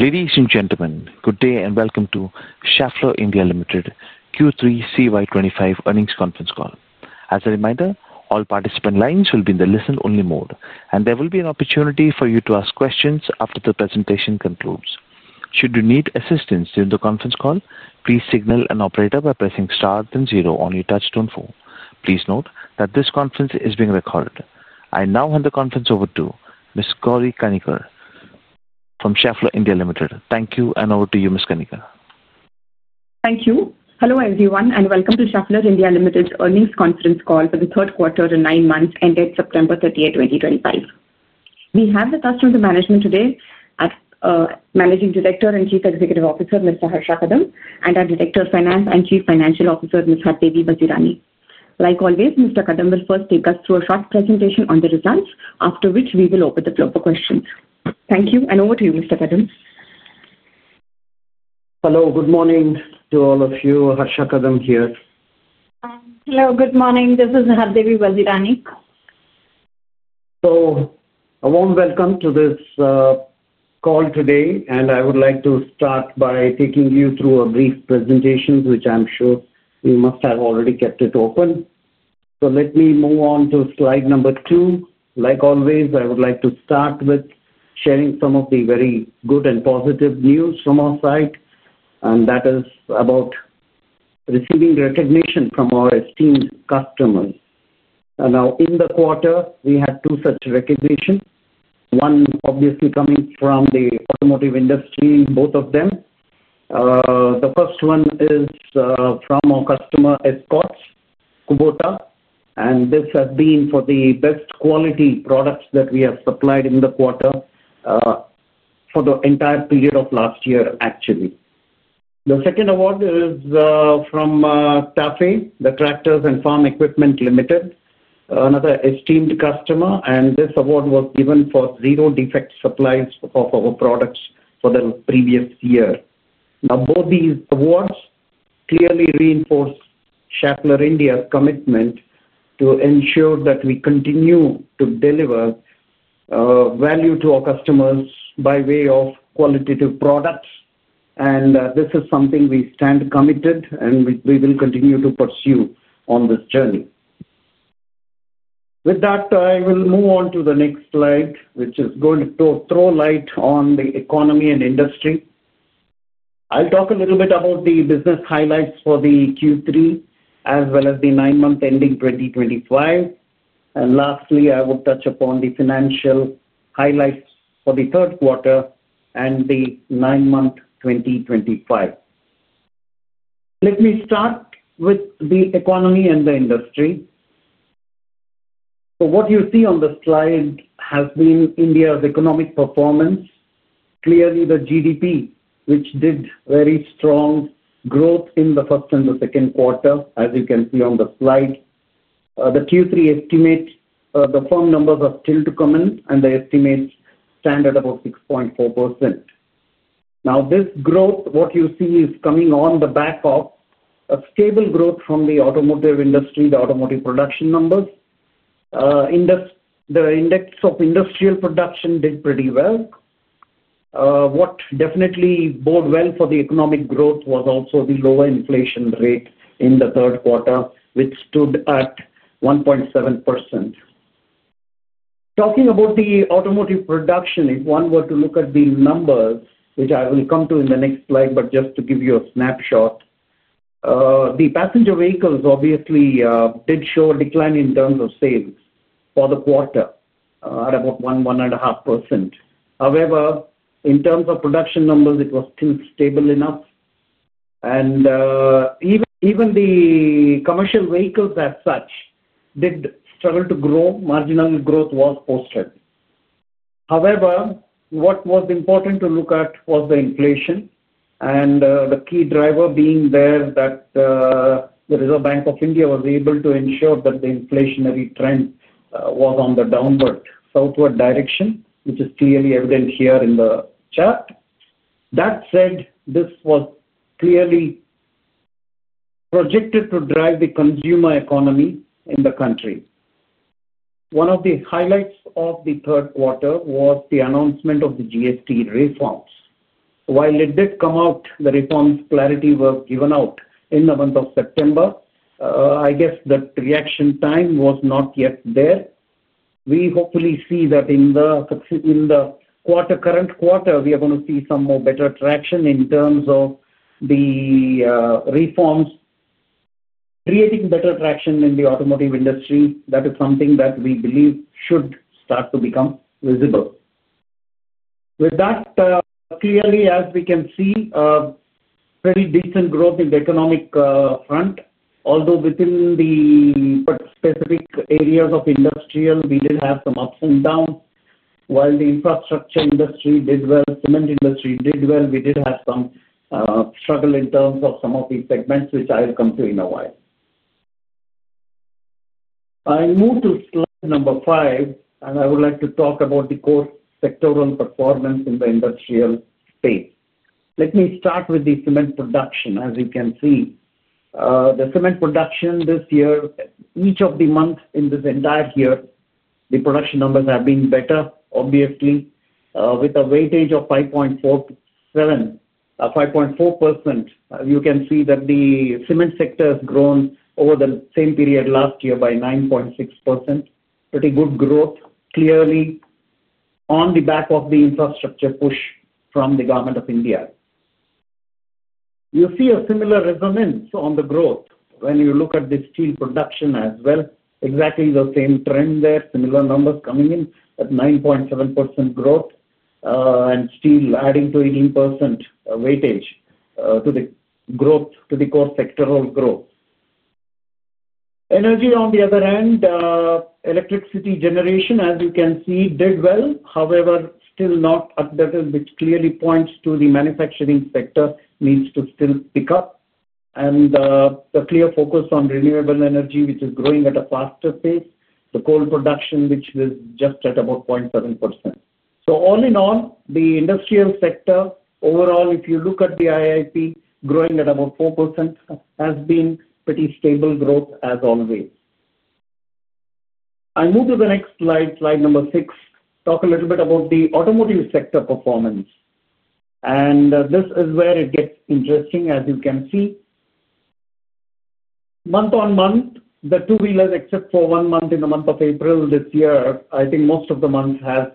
Ladies and gentlemen, good day and welcome to Schaeffler India Klaus Rosenfeld, Q3 CY 2025 earnings conference call. As a reminder, all participant lines will be in the listen-only mode, and there will be an opportunity for you to ask questions after the presentation concludes. Should you need assistance during the conference call, please signal an operator by pressing star then zero on your touchstone phone. Please note that this conference is being recorded. I now hand the conference over to Ms. Gauri Kanikar from Schaeffler India Klaus Rosenfeld. Thank you, and over to you, Ms. Kanikar. Thank you. Hello, everyone, and welcome to Schaeffler India Klaus Rosenfeld's earnings conference call for the third quarter and nine months ended September 30, 2025. We have with us from the management today Managing Director and Chief Executive Officer, Mr. Harsha Kadam, and our Director of Finance and Chief Financial Officer, Ms. Hardevi Vazirani. Like always, Mr. Kadam will first take us through a short presentation on the results, after which we will open the floor for questions. Thank you, and over to you, Mr. Kadam. Hello, good morning to all of you. Harsha Kadam here. Hello, good morning. This is Hardevi Vazirani. A warm welcome to this call today, and I would like to start by taking you through a brief presentation, which I'm sure you must have already kept open. Let me move on to slide number two. Like always, I would like to start with sharing some of the very good and positive news from our side, and that is about receiving recognition from our esteemed customers. In the quarter, we had two such recognitions, both of them obviously coming from the automotive industry. The first one is from our customer Escorts Kubota, and this has been for the best quality products that we have supplied in the quarter, for the entire period of last year, actually. The second award is from TAFE, the Tractors and Farm Equipment Limited, another esteemed customer, and this award was given for zero defect supplies of our products for the previous year. Both these awards clearly reinforce Schaeffler India's commitment to ensure that we continue to deliver value to our customers by way of qualitative products, and this is something we stand committed to, and we will continue to pursue on this journey. With that, I will move on to the next slide, which is going to throw light on the economy and industry. I'll talk a little bit about the business highlights for Q3, as well as the nine-month ending 2025. Lastly, I will touch upon the financial highlights for the third quarter and the nine-month 2025. Let me start with the economy and the industry. What you see on the slide has been India's economic performance. Clearly, the GDP, which did very strong growth in the first and the second quarter, as you can see on the slide. The Q3 estimate, the firm numbers are still to come, and the estimates stand at about 6.4%. This growth, what you see, is coming on the back of stable growth from the automotive industry, the automotive production numbers. The Index of Industrial Production did pretty well. What definitely bode well for the economic growth was also the lower inflation rate in the third quarter, which stood at 1.7%. Talking about the automotive production, if one were to look at the numbers, which I will come to in the next slide, but just to give you a snapshot. The passenger vehicles obviously did show a decline in terms of sales for the quarter at about 1.5%. However, in terms of production numbers, it was still stable enough. Even the commercial vehicles as such did struggle to grow. Marginal growth was posted. However, what was important to look at was the inflation, and the key driver being there that the Reserve Bank of India was able to ensure that the inflationary trend was on the downward, southward direction, which is clearly evident here in the chart. That said, this was clearly projected to drive the consumer economy in the country. One of the highlights of the third quarter was the announcement of the GST reforms. While it did come out, the reforms clarity was given out in the month of September. I guess the reaction time was not yet there. We hopefully see that in the current quarter, we are going to see some more better traction in terms of the reforms creating better traction in the automotive industry. That is something that we believe should start to become visible. With that, clearly, as we can see, pretty decent growth in the economic front, although within the specific areas of industrial, we did have some ups and downs. While the infrastructure industry did well, the cement industry did well, we did have some struggle in terms of some of these segments, which I'll come to in a while. I'll move to slide number five, and I would like to talk about the core sectoral performance in the industrial space. Let me start with the cement production. As you can see, the cement production this year, each of the months in this entire year, the production numbers have been better, obviously. With a weightage of 5.4%, you can see that the cement sector has grown over the same period last year by 9.6%. Pretty good growth, clearly, on the back of the infrastructure push from the government of India. You see a similar resonance on the growth when you look at the steel production as well. Exactly the same trend there, similar numbers coming in at 9.7% growth, and steel adding to 18% weightage to the growth, to the core sectoral growth. Energy, on the other hand, electricity generation, as you can see, did well. However, still not at that, which clearly points to the manufacturing sector needs to still pick up, and the clear focus on renewable energy, which is growing at a faster pace. The coal production, which was just at about 0.7%. All in all, the industrial sector overall, if you look at the IIP, growing at about 4%, has been pretty stable growth as always. I'll move to the next slide, slide number six, talk a little bit about the automotive sector performance. This is where it gets interesting, as you can see. Month on month, the two-wheelers, except for one month in the month of April this year, I think most of the months have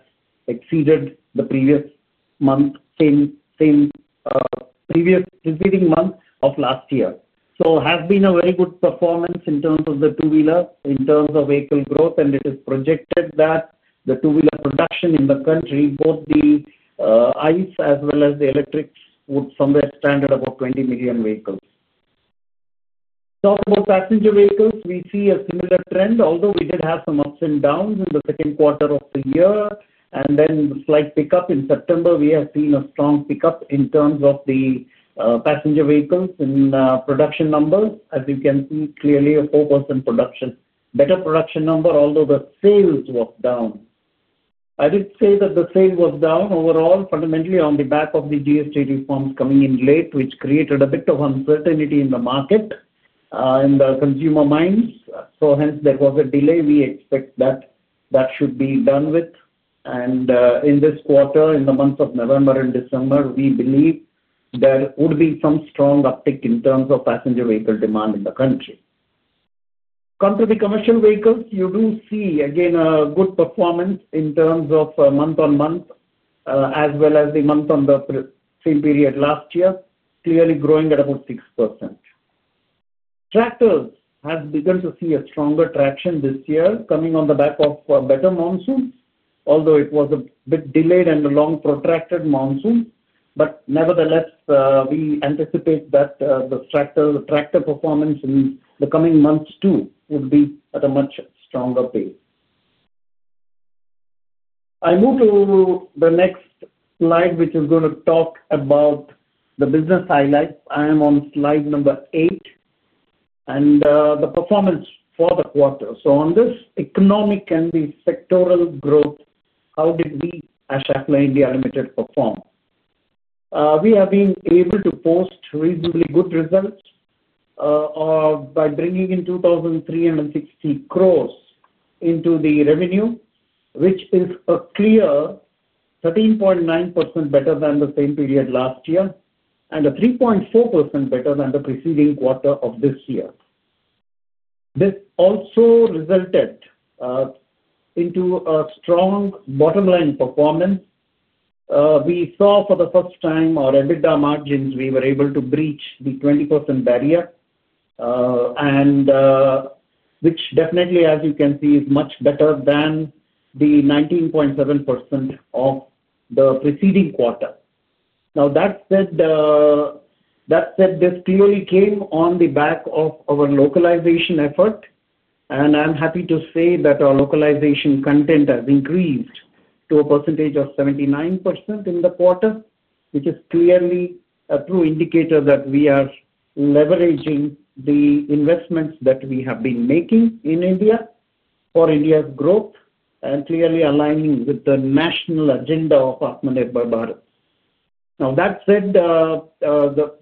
exceeded the previous month, same previous preceding month of last year. It has been a very good performance in terms of the two-wheeler, in terms of vehicle growth, and it is projected that the two-wheeler production in the country, both the ICE as well as the electrics, would somewhere stand at about 20 million vehicles. Talk about passenger vehicles, we see a similar trend, although we did have some ups and downs in the second quarter of the year, and then the slight pickup in September. We have seen a strong pickup in terms of the. Passenger vehicles in production numbers. As you can see, clearly a 4% production, better production number, although the sales were down. I did say that the sales were down overall, fundamentally on the back of the GST reforms coming in late, which created a bit of uncertainty in the market. In the consumer minds. Hence, there was a delay. We expect that that should be done with. In this quarter, in the months of November and December, we believe there would be some strong uptick in terms of passenger vehicle demand in the country. Come to the commercial vehicles, you do see, again, a good performance in terms of month on month. As well as the month on the same period last year, clearly growing at about 6%. Tractors have begun to see a stronger traction this year, coming on the back of better monsoons, although it was a bit delayed and a long protracted monsoon. Nevertheless, we anticipate that the tractor performance in the coming months too would be at a much stronger pace. I move to the next slide, which is going to talk about the business highlights. I am on slide number eight. And the performance for the quarter. On this economic and the sectoral growth, how did we, as Schaeffler India Klaus Rosenfeld perform? We have been able to post reasonably good results. By bringing in 2,360 crore into the revenue, which is a clear 13.9% better than the same period last year, and a 3.4% better than the preceding quarter of this year. This also resulted in a strong bottom-line performance. We saw for the first time our EBITDA margins, we were able to breach the 20% barrier, which definitely, as you can see, is much better than the 19.7% of the preceding quarter. That said, this clearly came on the back of our localization effort. I am happy to say that our localization content has increased to a percentage of 79% in the quarter, which is clearly a true indicator that we are leveraging the investments that we have been making in India for India's growth and clearly aligning with the national agenda of Aatmanirbhar Bharat. That said,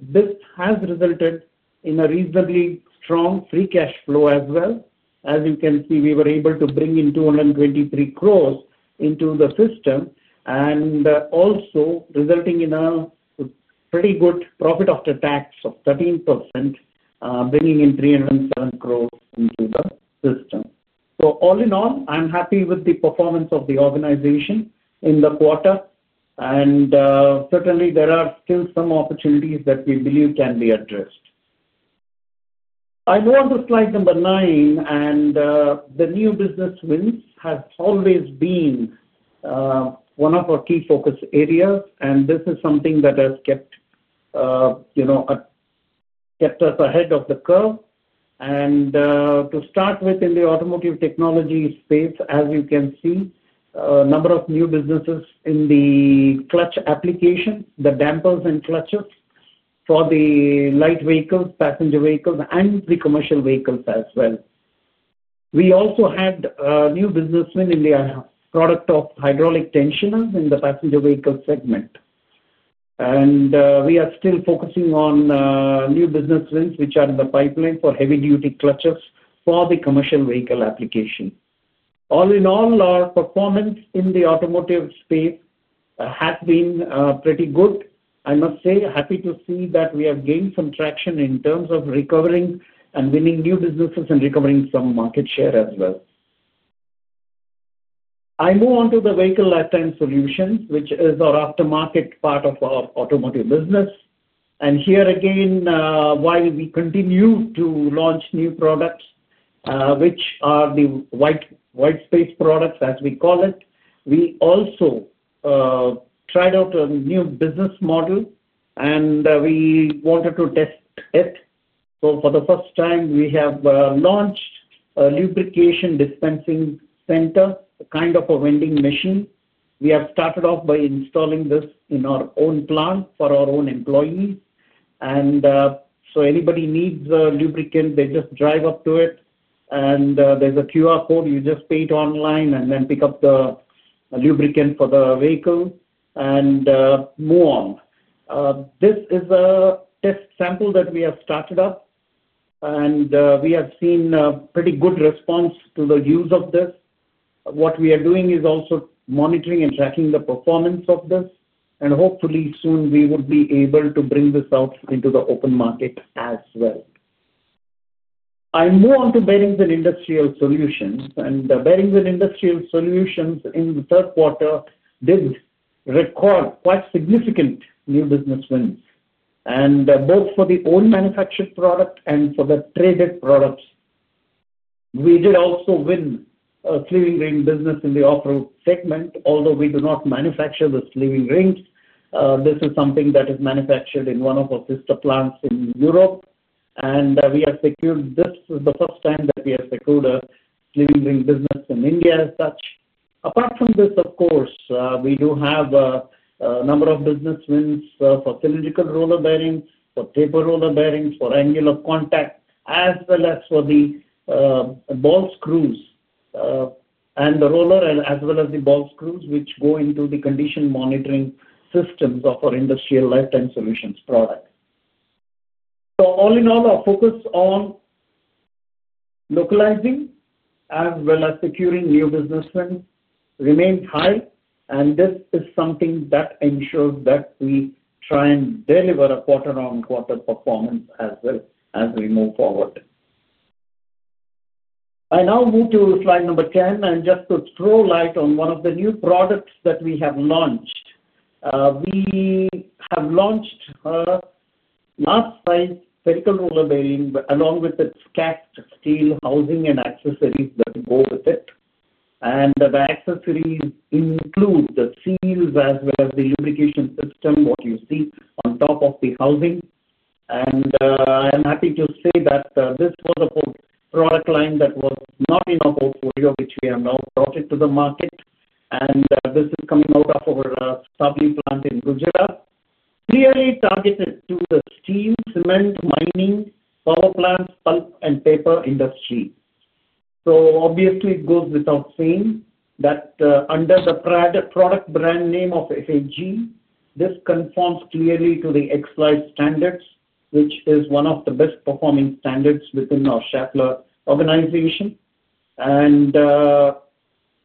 this has resulted in a reasonably strong free cash flow as well. As you can see, we were able to bring in 223 crore into the system, and also resulting in a pretty good profit after tax of 13%, bringing in 307 crore into the system. All in all, I am happy with the performance of the organization in the quarter, and certainly there are still some opportunities that we believe can be addressed. I move on to slide number nine, and the new business wins have always been one of our key focus areas, and this is something that has kept us ahead of the curve. To start with, in the automotive technology space, as you can see, a number of new businesses in the clutch application, the dampers and clutches for the light vehicles, passenger vehicles, and the commercial vehicles as well. We also had new business in the product of hydraulic tensioners in the passenger vehicle segment. We are still focusing on new business wins which are in the pipeline for heavy-duty clutches for the commercial vehicle application. All in all, our performance in the automotive space has been pretty good. I must say, happy to see that we have gained some traction in terms of recovering and winning new businesses and recovering some market share as well. I move on to the vehicle lifetime solutions, which is our aftermarket part of our automotive business. Here again, while we continue to launch new products, which are the whitespace products, as we call it, we also tried out a new business model, and we wanted to test it. For the first time, we have launched a lubrication dispensing center, kind of a vending machine. We have started off by installing this in our own plant for our own employees. Anybody needs a lubricant, they just drive up to it, and there is a QR code. You just pay it online and then pick up the lubricant for the vehicle and move on. This is a test sample that we have started up. We have seen pretty good response to the use of this. What we are doing is also monitoring and tracking the performance of this. Hopefully soon, we would be able to bring this out into the open market as well. I move on to bearings and industrial solutions. Bearings and industrial solutions in the third quarter did record quite significant new business wins, both for the old manufactured product and for the traded products. We did also win a sleeving ring business in the off-road segment, although we do not manufacture the sleeving rings. This is something that is manufactured in one of our sister plants in Europe. We have secured—this is the first time that we have secured a sleeving ring business in India as such. Apart from this, of course, we do have a number of business wins for cylindrical roller bearings, for taper roller bearings, for angular contact, as well as for the ball screws. The roller, as well as the ball screws, go into the condition monitoring systems of our industrial lifetime solutions product. All in all, our focus on localizing as well as securing new business wins remains high. This is something that ensures that we try and deliver a quarter-on-quarter performance as well as we move forward. I now move to slide number 10, and just to throw light on one of the new products that we have launched. We have launched. Large-sized spherical roller bearings along with the cast steel housing and accessories that go with it. The accessories include the seals as well as the lubrication system, what you see on top of the housing. I'm happy to say that this was a product line that was not in our portfolio, which we have now brought to the market. This is coming out of our Savli plant in Gujarat, clearly targeted to the steel, cement, mining, power plants, pulp, and paper industry. It goes without saying that under the product brand name of FAG, this conforms clearly to the XLIZE standards, which is one of the best-performing standards within our Schaeffler organization.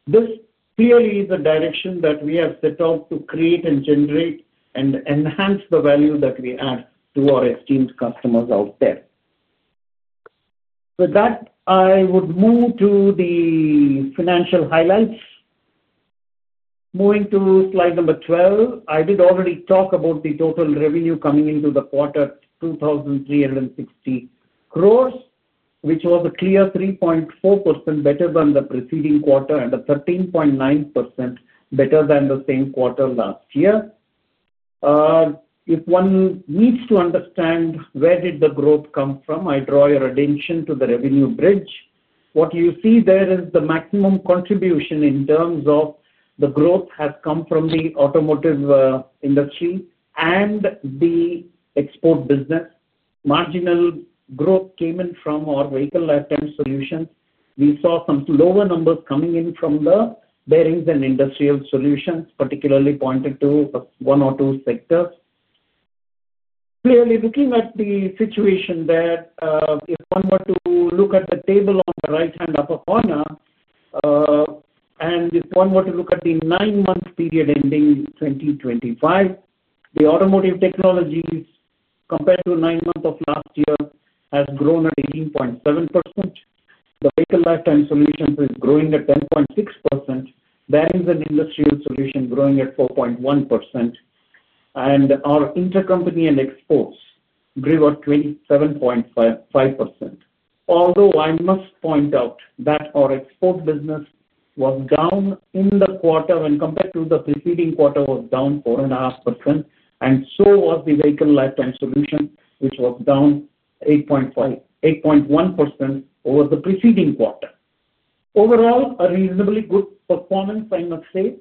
This clearly is the direction that we have set out to create and generate and enhance the value that we add to our esteemed customers out there. With that, I would move to the financial highlights. Moving to slide number 12, I did already talk about the total revenue coming into the quarter, 2,360 crore, which was a clear 3.4% better than the preceding quarter and a 13.9% better than the same quarter last year. If one needs to understand where did the growth come from, I draw your attention to the revenue bridge. What you see there is the maximum contribution in terms of the growth has come from the automotive industry and the export business. Marginal growth came in from our vehicle lifetime solutions. We saw some lower numbers coming in from the bearings and industrial solutions, particularly pointed to one or two sectors. Clearly, looking at the situation there, if one were to look at the table on the right-hand upper corner. If one were to look at the nine-month period ending 2025, the automotive technologies compared to nine months of last year has grown at 18.7%. The vehicle lifetime solutions is growing at 10.6%. Bearings and industrial solution growing at 4.1%. Our intercompany and exports grew at 27.5%. Although I must point out that our export business was down in the quarter when compared to the preceding quarter, was down 4.5%. So was the vehicle lifetime solution, which was down 8.1% over the preceding quarter. Overall, a reasonably good performance, I must say.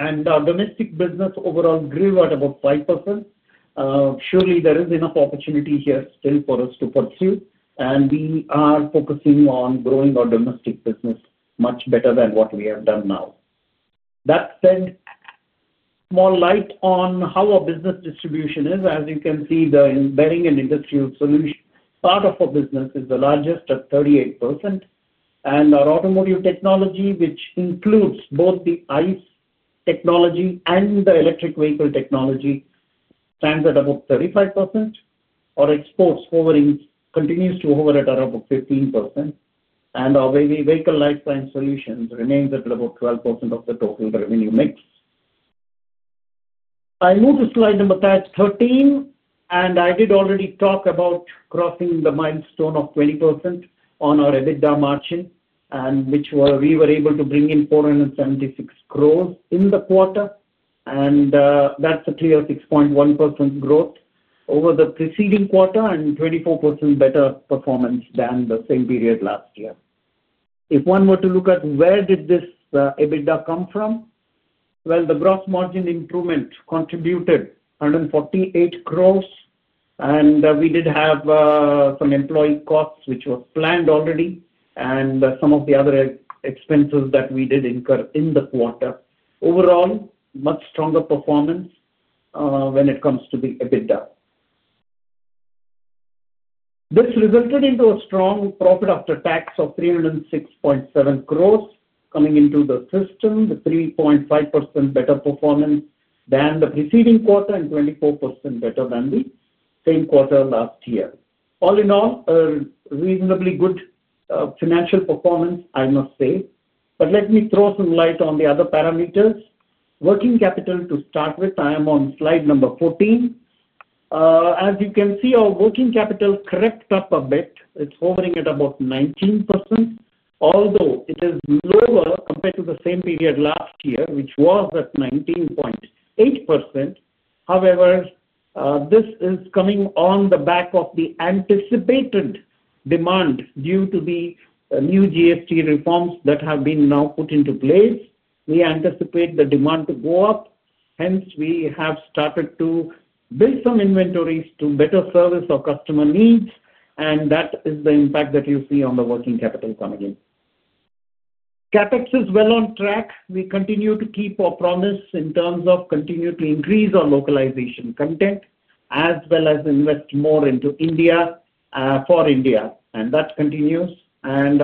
Our domestic business overall grew at about 5%. Surely, there is enough opportunity here still for us to pursue. We are focusing on growing our domestic business much better than what we have done now. That said, small light on how our business distribution is. As you can see, the bearing and industrial solution part of our business is the largest at 38%. Our automotive technology, which includes both the ICE technology and the electric vehicle technology, stands at about 35%. Our exports continues to hover at around 15%. Our vehicle lifetime solutions remains at about 12% of the total revenue mix. I move to slide number 13, and I did already talk about crossing the milestone of 20% on our EBITDA margin, which we were able to bring in 476 crore in the quarter. And that's a clear 6.1% growth over the preceding quarter and 24% better performance than the same period last year. If one were to look at where did this EBITDA come from. The gross margin improvement contributed 148 crore. We did have some employee costs, which were planned already, and some of the other expenses that we did incur in the quarter. Overall, much stronger performance. When it comes to the EBITDA. This resulted into a strong profit after tax of 306.7 crore coming into the system, the 3.5% better performance than the preceding quarter and 24% better than the same quarter last year. All in all, a reasonably good financial performance, I must say. Let me throw some light on the other parameters. Working capital to start with, I am on slide number 14. As you can see, our working capital crept up a bit. It's hovering at about 19%. Although it is lower compared to the same period last year, which was at 19.8%. However, this is coming on the back of the anticipated demand due to the new GST reforms that have been now put into place. We anticipate the demand to go up. Hence, we have started to build some inventories to better service our customer needs. That is the impact that you see on the working capital coming in. CapEx is well on track. We continue to keep our promise in terms of continuing to increase our localization content, as well as invest more into India. For India. That continues. At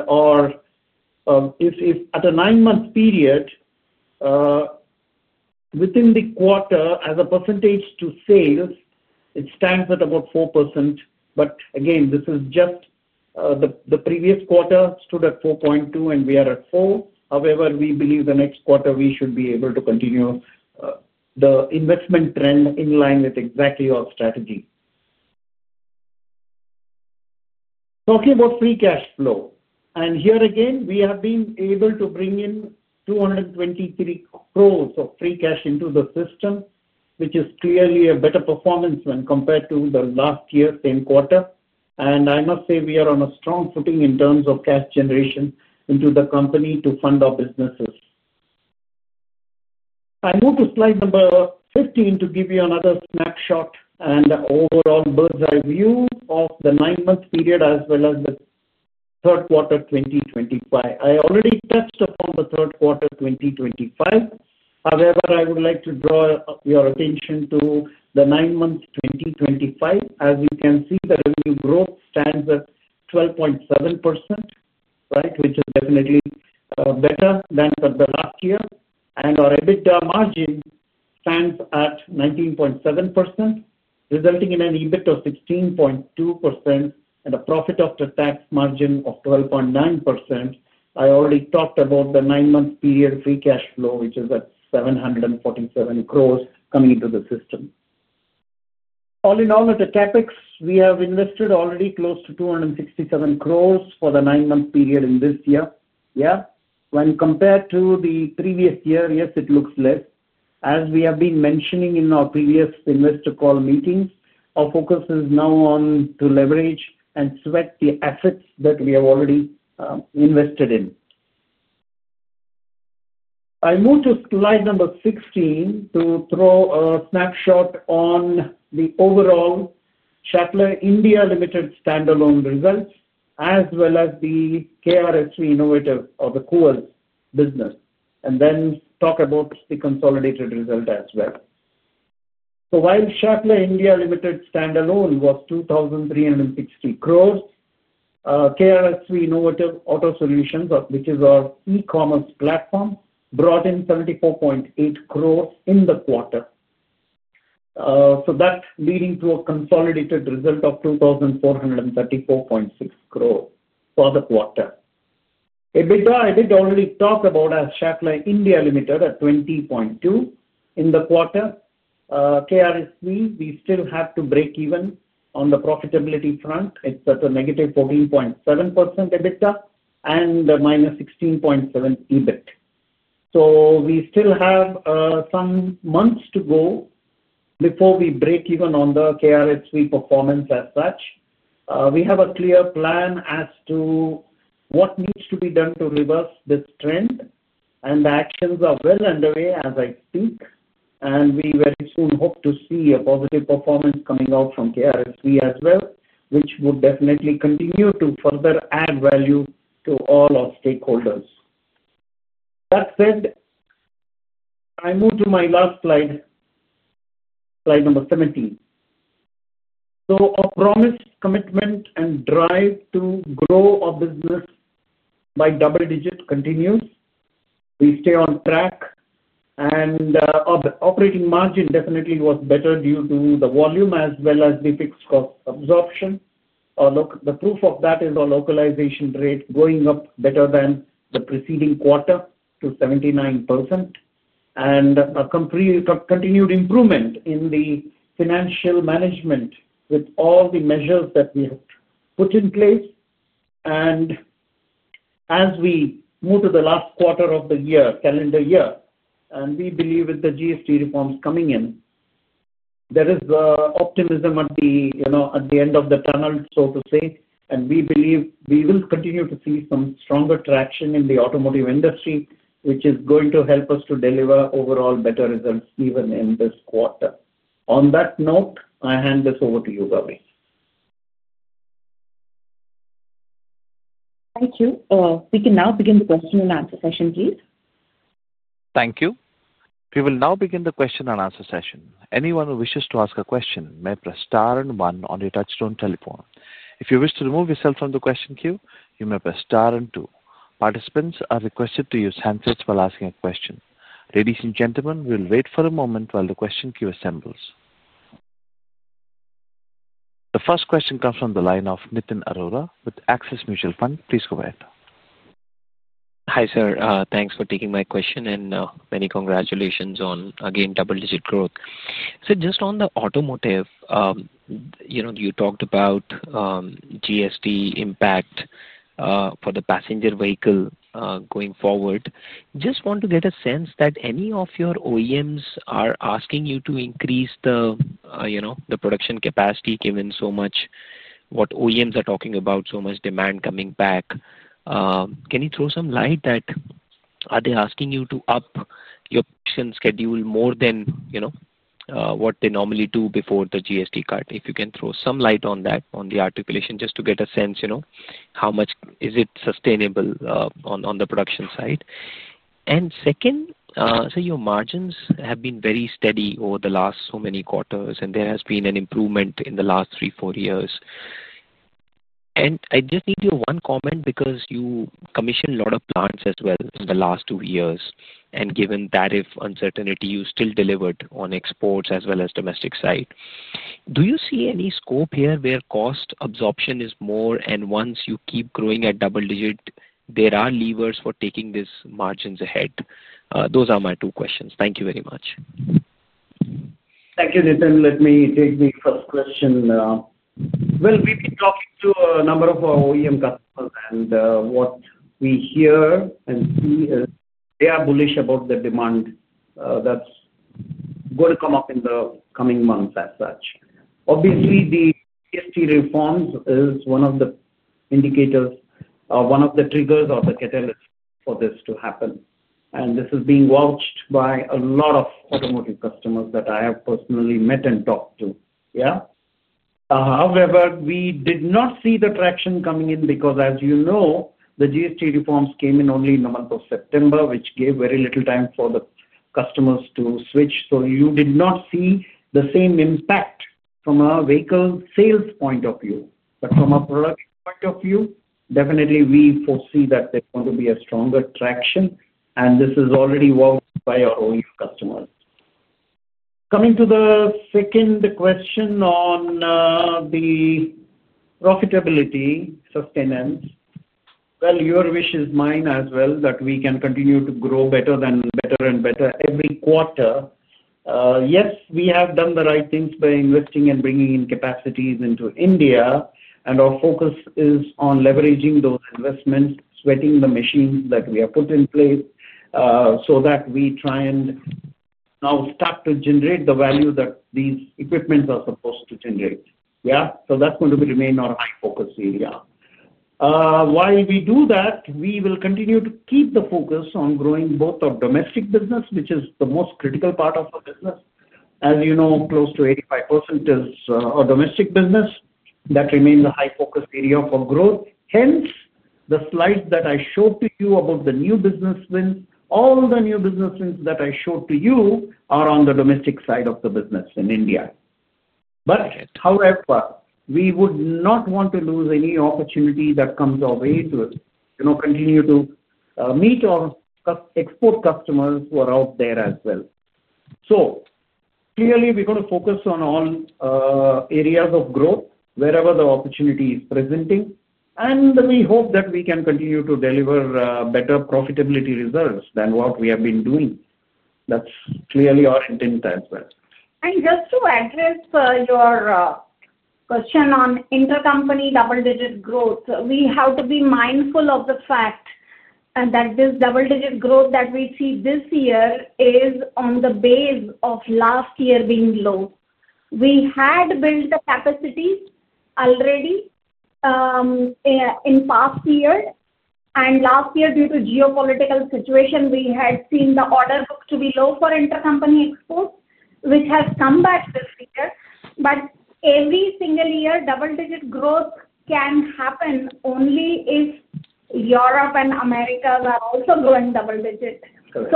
a nine-month period. Within the quarter, as a percentage to sales, it stands at about 4%. The previous quarter stood at 4.2%, and we are at 4%. However, we believe the next quarter we should be able to continue the investment trend in line with exactly our strategy. Talking about free cash flow, and here again, we have been able to bring in 223 crore of free cash into the system, which is clearly a better performance when compared to the last year, same quarter. I must say we are on a strong footing in terms of cash generation into the company to fund our businesses. I move to slide number 15 to give you another snapshot and overall bird's eye view of the nine-month period as well as the third quarter 2025. I already touched upon the third quarter 2025. However, I would like to draw your attention to the nine-month 2025. As you can see, the revenue growth stands at 12.7%, which is definitely better than the last year. Our EBITDA margin stands at 19.7%, resulting in an EBIT of 16.2% and a profit after tax margin of 12.9%. I already talked about the nine-month period free cash flow, which is at 747 crore coming into the system. All in all, at the CapEx, we have invested already close to 267 crore for the nine-month period in this year. Yeah. When compared to the previous year, yes, it looks less. As we have been mentioning in our previous investor call meetings, our focus is now on to leverage and sweat the assets that we have already invested in. I move to slide number 16 to throw a snapshot on the overall Schaeffler India Limited standalone results, as well as the KRSV Innovative or the Kool business, and then talk about the consolidated result as well. While Schaeffler India Limited standalone was 2,360 crore, KRSV Innovative Auto Solutions, which is our e-commerce platform, brought in 74.8 crore in the quarter. That leading to a consolidated result of 2,434.6 crore for the quarter. EBITDA, I did already talk about as Schaeffler India Limited at 20.2% in the quarter. KRSV, we still have to break even on the profitability front. It's at a negative 14.7% EBITDA and minus 16.7% EBIT. We still have some months to go before we break even on the KRSV performance as such. We have a clear plan as to what needs to be done to reverse this trend. The actions are well underway as I speak. We very soon hope to see a positive performance coming out from KRSV as well, which would definitely continue to further add value to all our stakeholders. That said, I move to my last slide, slide number 17. Our promise, commitment, and drive to grow our business by double digit continues. We stay on track. Our operating margin definitely was better due to the volume as well as the fixed cost absorption. The proof of that is our localization rate going up better than the preceding quarter to 79%. Our continued improvement in the financial management with all the measures that we have put in place. As we move to the last quarter of the year, calendar year, we believe with the GST reforms coming in, there is optimism at the end of the tunnel, so to say. We believe we will continue to see some stronger traction in the automotive industry, which is going to help us to deliver overall better results even in this quarter. On that note, I hand this over to you, Gauri. Thank you. We can now begin the question and answer session, please. Thank you. We will now begin the question and answer session. Anyone who wishes to ask a question may press star and one on your touchstone telephone. If you wish to remove yourself from the question queue, you may press star and two. Participants are requested to use handsets while asking a question. Ladies and gentlemen, we'll wait for a moment while the question queue assembles. The first question comes from the line of Nitin Arora with Axis Mutual Fund. Please go ahead. Hi, sir. Thanks for taking my question and many congratulations on, again, double-digit growth. Just on the automotive, you talked about GST impact for the passenger vehicle going forward. Just want to get a sense that any of your OEMs are asking you to increase the production capacity given so much what OEMs are talking about, so much demand coming back. Can you throw some light that, are they asking you to up your production schedule more than what they normally do before the GST cut? If you can throw some light on that, on the articulation, just to get a sense how much is it sustainable on the production side. And second, your margins have been very steady over the last so many quarters, and there has been an improvement in the last three, four years. I just need your one comment because you commissioned a lot of plants as well in the last two years. Given that if uncertainty, you still delivered on exports as well as domestic side. Do you see any scope here where cost absorption is more and once you keep growing at double digit, there are levers for taking these margins ahead? Those are my two questions. Thank you very much. Thank you, Nitin. Let me take the first question. We've been talking to a number of our OEM customers, and what we hear and see is they are bullish about the demand that's going to come up in the coming months as such. Obviously, the GST reforms is one of the indicators, one of the triggers or the catalysts for this to happen. This is being vouched by a lot of automotive customers that I have personally met and talked to. However, we did not see the traction coming in because, as you know, the GST reforms came in only in the month of September, which gave very little time for the customers to switch. You did not see the same impact from our vehicle sales point of view. From a product point of view, definitely we foresee that there's going to be a stronger traction, and this is already vouched by our OEM customers. Coming to the second question on the profitability, sustainance. Your wish is mine as well, that we can continue to grow better and better and better every quarter. Yes, we have done the right things by investing and bringing in capacities into India. Our focus is on leveraging those investments, sweating the machines that we have put in place, so that we try and now start to generate the value that these equipments are supposed to generate. That's going to remain our high-focus area. While we do that, we will continue to keep the focus on growing both our domestic business, which is the most critical part of our business. As you know, close to 85% is our domestic business. That remains a high-focus area for growth. Hence, the slides that I showed to you about the new business wins, all the new business wins that I showed to you are on the domestic side of the business in India. However, we would not want to lose any opportunity that comes our way to continue to meet our export customers who are out there as well. Clearly, we're going to focus on all areas of growth wherever the opportunity is presenting. We hope that we can continue to deliver better profitability results than what we have been doing. That's clearly our intent as well. Just to address your question on intercompany double-digit growth, we have to be mindful of the fact that this double-digit growth that we see this year is on the base of last year being low. We had built the capacity already in past years, and last year, due to geopolitical situation, we had seen the order book to be low for intercompany exports, which has come back this year. Every single year, double-digit growth can happen only if Europe and the US are also growing double-digit.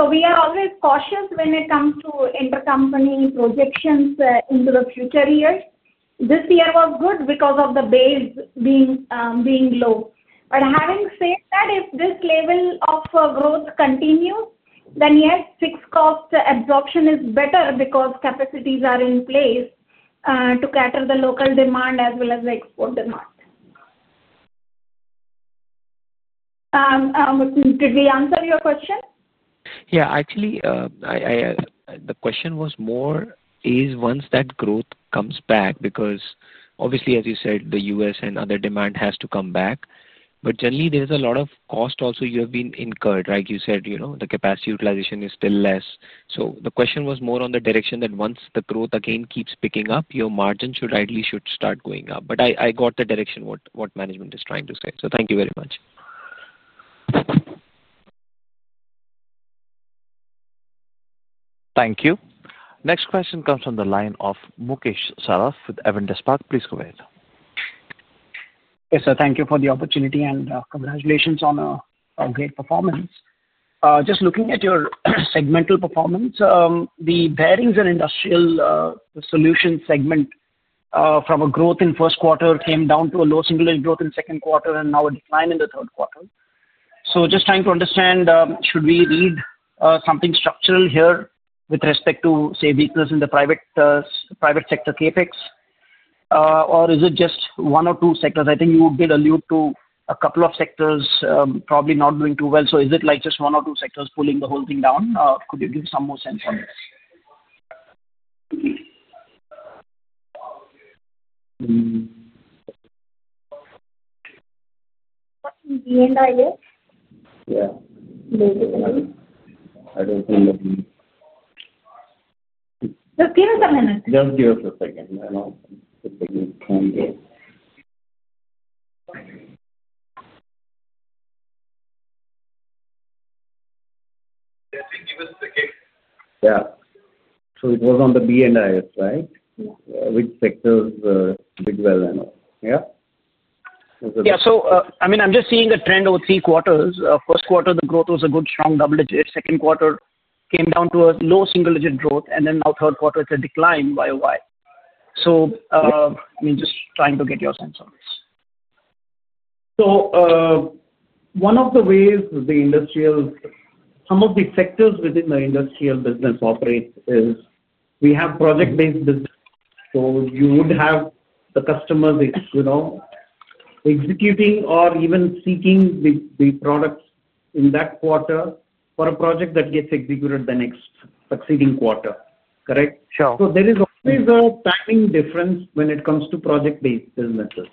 We are always cautious when it comes to intercompany projections into the future years. This year was good because of the base being low. Having said that, if this level of growth continues, then yes, fixed cost absorption is better because capacities are in place to cater to the local demand as well as the export demand. Did we answer your question? Yeah. Actually, the question was more, is once that growth comes back because obviously, as you said, the US and other demand has to come back. Generally, there's a lot of cost also you have been incurred. Like you said, the capacity utilization is still less. The question was more on the direction that once the growth again keeps picking up, your margin should start going up. I got the direction what management is trying to say. Thank you very much. Thank you. Next question comes from the line of Mukesh Saraf with Avendus Spark. Please go ahead. Yes, sir. Thank you for the opportunity and congratulations on a great performance. Just looking at your segmental performance, the bearings and industrial solution segment, from a growth in first quarter came down to a low single-digit growth in second quarter and now a decline in the third quarter. Just trying to understand, should we read something structural here with respect to, say, vehicles in the private sector CapEx, or is it just one or two sectors? I think you did allude to a couple of sectors probably not doing too well. Is it just one or two sectors pulling the whole thing down? Could you give some more sense on this? Yeah. I do not think that we—just give us a minute. Just give us a second. I know it is a good time here. Yeah. It was on the B and IS, right? Which sectors did well and all? Yeah? Yeah. I mean, I am just seeing a trend over three quarters. First quarter, the growth was a good strong double-digit. Second quarter came down to a low single-engine growth, and then now third quarter, it is a decline by a while. I mean, just trying to get your sense on this. One of the ways some of the sectors within the industrial business operate is we have project-based business. You would have the customers executing or even seeking the products in that quarter for a project that gets executed the next succeeding quarter, correct? There is always a timing difference when it comes to project-based businesses.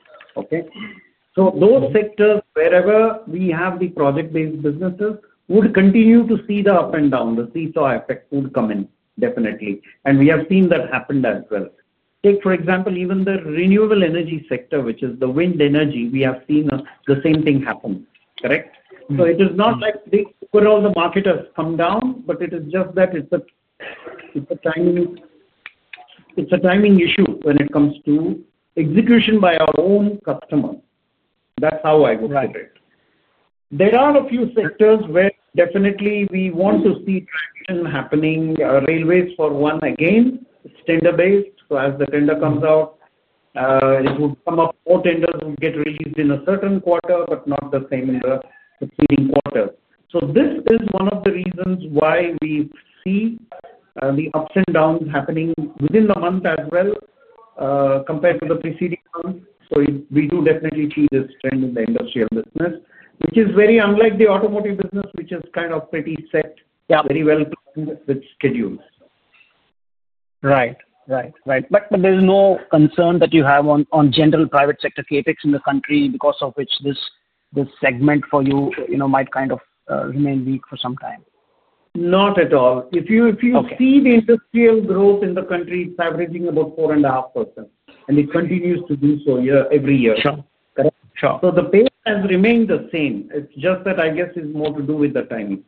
Those sectors, wherever we have the project-based businesses, would continue to see the up and down. The seesaw effect would come in, definitely. We have seen that happen as well. Take, for example, even the renewable energy sector, which is the wind energy, we have seen the same thing happen, correct? It is not like overall the market has come down, but it is just that it is a timing issue when it comes to execution by our own customers. That is how I would put it. There are a few sectors where definitely we want to see traction happening. Railways, for one, again, it is tender-based. As the tender comes out, it would come up, four tenders would get released in a certain quarter but not the same in the preceding quarter. This is one of the reasons why we see the ups and downs happening within the month as well, compared to the preceding month. We do definitely see this trend in the industrial business, which is very unlike the automotive business, which is kind of pretty set, very well-planned with schedules. Right. Right. Right. There is no concern that you have on general private sector CapEx in the country because of which this segment for you might kind of remain weak for some time? Not at all. If you see the industrial growth in the country, it is averaging about 4.5%. It continues to do so every year, correct? The pace has remained the same. It is just that, I guess, it is more to do with the timing.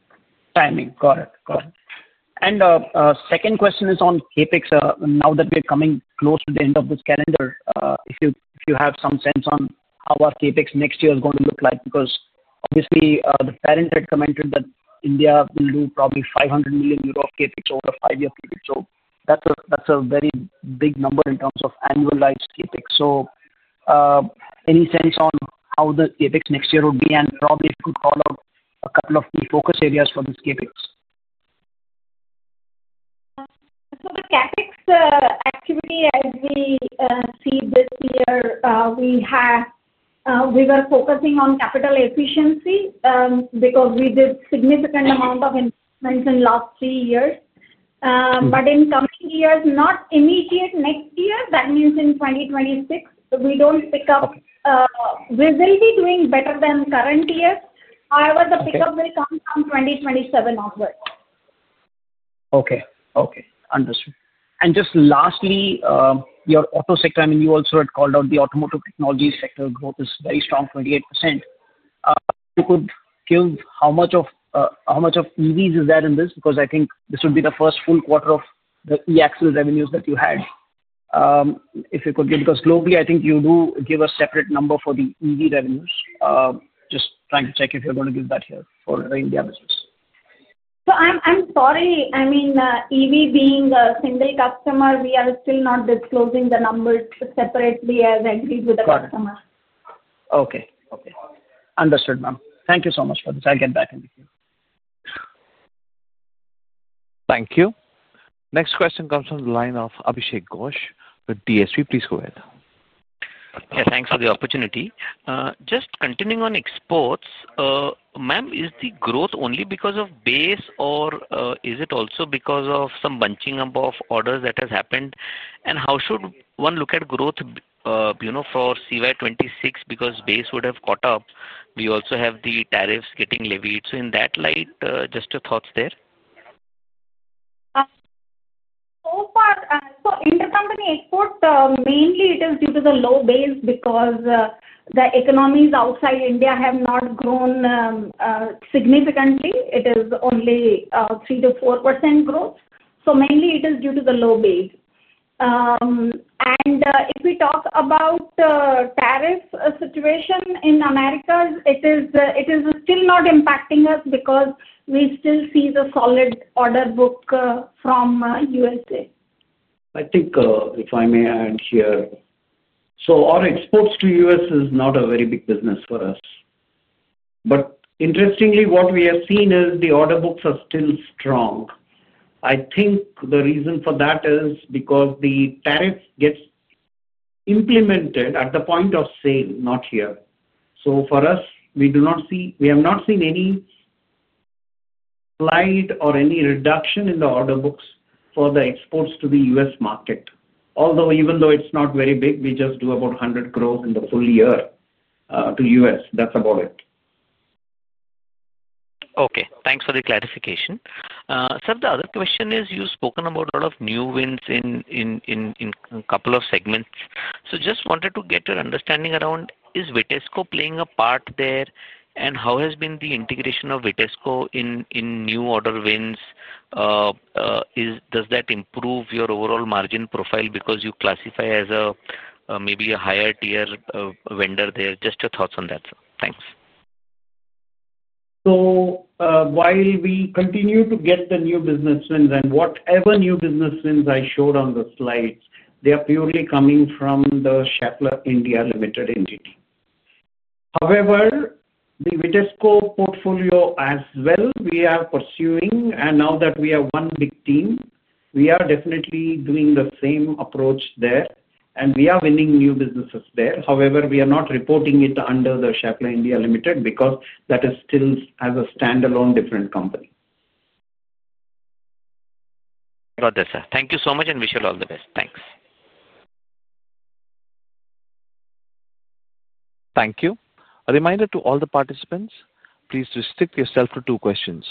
Timing. Got it. Got it. Second question is on CapEx. Now that we are coming close to the end of this calendar, if you have some sense on how our CapEx next year is going to look like because obviously, the parents had commented that India will do probably 500 million euro of CapEx over a five-year period. That is a very big number in terms of annualized CapEx. Any sense on how the CapEx next year would be and probably could call out a couple of key focus areas for this CapEx? The CapEx activity, as we see this year, we were focusing on capital efficiency because we did a significant amount of investments in the last three years. In coming years, not immediate next year, that means in 2026, we do not pick up. We will be doing better than current years. However, the pickup will come from 2027 onwards. Okay. Understood. Just lastly, your auto sector, I mean, you also had called out the automotive technology sector growth is very strong, 28%. If you could give how much of EVs is that in this because I think this would be the first full quarter of the E-axle revenues that you had. If it could be because globally, I think you do give a separate number for the EV revenues. Just trying to check if you are going to give that here for the India business. I am sorry. I mean, EV being a single customer, we are still not disclosing the numbers separately as agreed with the customer. Okay. Understood, ma'am. Thank you so much for this. I will get back in with you. Thank you. Next question comes from the line of Abhishek Ghosh with DSP. Please go ahead. Yeah. Thanks for the opportunity. Just continuing on exports. Ma'am, is the growth only because of base or is it also because of some bunching up of orders that has happened? How should one look at growth for CY 2026 because base would have caught up? We also have the tariffs getting levied. In that light, just your thoughts there. So far, so intercompany exports, mainly it is due to the low base because the economies outside India have not grown significantly. It is only 3%-4% growth. Mainly it is due to the low base. If we talk about the tariff situation in America, it is still not impacting us because we still see the solid order book from the US. I think if I may add here. Our exports to the US is not a very big business for us. Interestingly, what we have seen is the order books are still strong. I think the reason for that is because the tariffs get implemented at the point of sale, not here. For us, we do not see, we have not seen any slide or any reduction in the order books for the exports to the US market. Although even though it is not very big, we just do about 100 crore in the full year to the US. That is about it. Okay. Thanks for the clarification. Sir, the other question is you have spoken about a lot of new wins in a couple of segments. So just wanted to get your understanding around, is Vitesco playing a part there, and how has been the integration of Vitesco in new order wins? Does that improve your overall margin profile because you classify as. Maybe a higher-tier vendor there? Just your thoughts on that, sir. Thanks. While we continue to get the new business wins and whatever new business wins I showed on the slides, they are purely coming from the Schaeffler India Limited entity. However, the Vitesco portfolio as well, we are pursuing. Now that we have one big team, we are definitely doing the same approach there. We are winning new businesses there. However, we are not reporting it under the Schaeffler India Limited because that is still as a standalone different company. Got it, sir. Thank you so much and wish you all the best. Thanks. Thank you. A reminder to all the participants, please restrict yourself to two questions.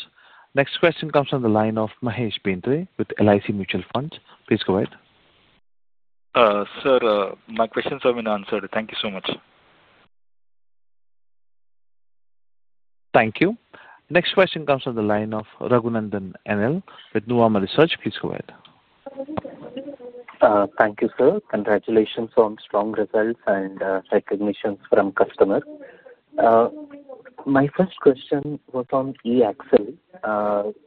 Next question comes from the line of Mahesh Bendre with LIC Mutual Funds. Please go ahead. Sir, my questions have been answered. Thank you so much. Thank you. Next question comes from the line of Raghunandhan NL with Nuvama Research. Please go ahead. Thank you, sir. Congratulations on strong results and recognition from customers. My first question was on E-axle.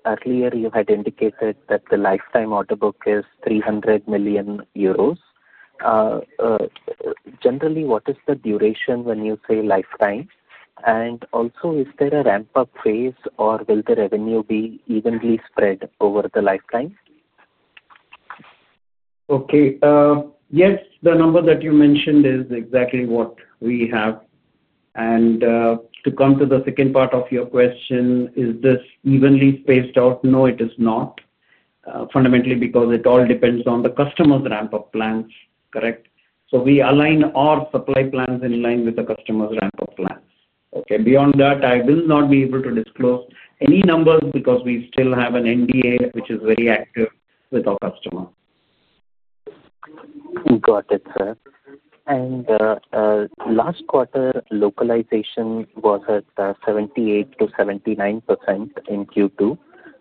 Earlier, you had indicated that the lifetime order book is 300 million euros. Generally, what is the duration when you say lifetime? Also, is there a ramp-up phase or will the revenue be evenly spread over the lifetime? Okay. Yes, the number that you mentioned is exactly what we have. To come to the second part of your question, is this evenly spaced out? No, it is not. Fundamentally, because it all depends on the customer's ramp-up plans, correct? We align our supply plans in line with the customer's ramp-up plans. Beyond that, I will not be able to disclose any numbers because we still have an NDA, which is very active with our customer. Got it, sir. Last quarter localization was at 78% to 79% in Q2.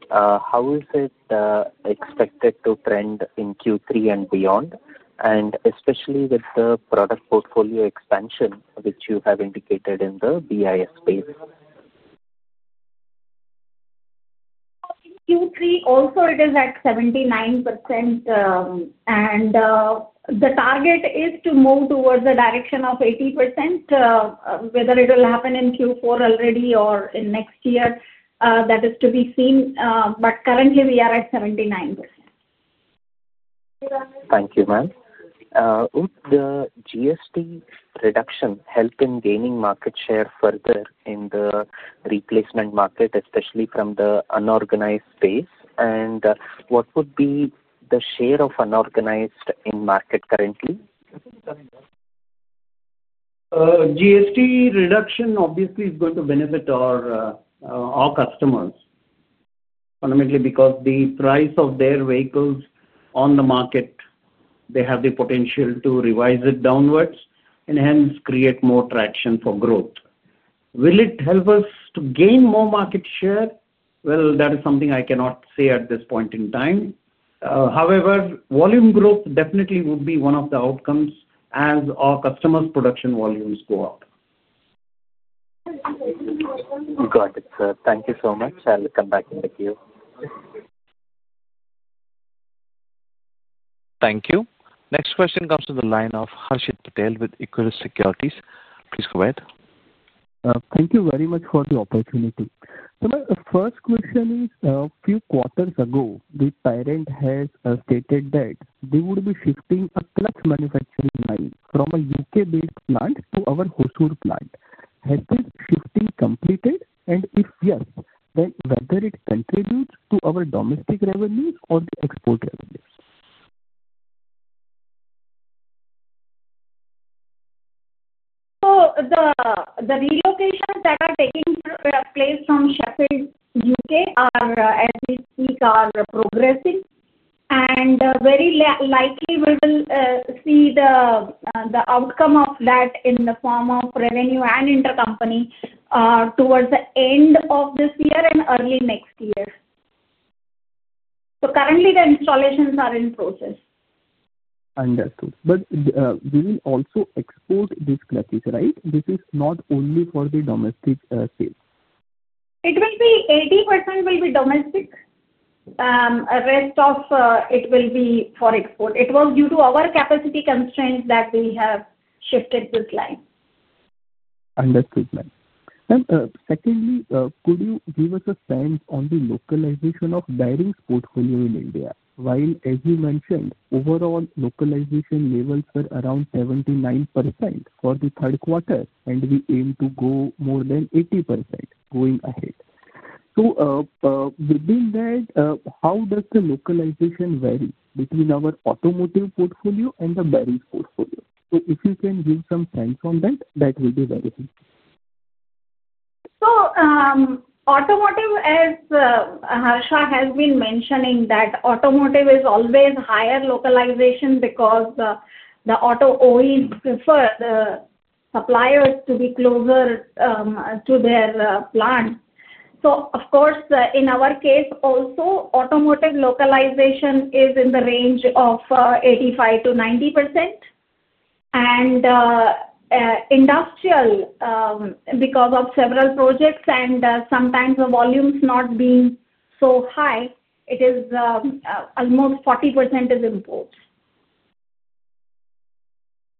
How is it expected to trend in Q3 and beyond? Especially with the product portfolio expansion, which you have indicated in the BIS space. In Q3, also, it is at 79%. The target is to move towards the direction of 80%. Whether it will happen in Q4 already or in next year, that is to be seen. Currently, we are at 79%. Thank you, ma'am. Would the GST reduction help in gaining market share further in the replacement market, especially from the unorganized space? What would be the share of unorganized in market currently? GST reduction, obviously, is going to benefit our customers. Fundamentally, because the price of their vehicles on the market, they have the potential to revise it downwards and hence create more traction for growth. Will it help us to gain more market share? That is something I cannot say at this point in time. However, volume growth definitely would be one of the outcomes as our customers' production volumes go up. Got it, sir. Thank you so much. I'll come back in with you. Thank you. Next question comes from the line of Harshit Patel with Equirus Securities. Please go ahead. Thank you very much for the opportunity. Sir, my first question is, a few quarters ago, the parent has stated that they would be shifting a clutch manufacturing line from a U.K.-based plant to our Hosur plant. Has this shifting completed? And if yes, then whether it contributes to our domestic revenues or the export revenues? The relocations that are taking place from Schaeffler U.K., as we speak, are progressing. Very likely, we will see the outcome of that in the form of revenue and intercompany towards the end of this year and early next year. Currently, the installations are in process. Understood. We will also export these clutches, right? This is not only for the domestic sales. It will be 80% domestic. The rest of it will be for export. It was due to our capacity constraints that we have shifted this line. Understood, ma'am. Secondly, could you give us a sense on the localization of bearings portfolio in India? While, as you mentioned, overall localization levels were around 79% for the third quarter, and we aim to go more than 80% going ahead. Within that, how does the localization vary between our automotive portfolio and the bearings portfolio? If you can give some sense on that, that will be very helpful. Automotive, as Harsha has been mentioning, automotive is always higher localization because the auto OEs prefer the suppliers to be closer to their plants. Of course, in our case also, automotive localization is in the range of 85-90%. Industrial, because of several projects and sometimes the volumes not being so high, almost 40% is imports.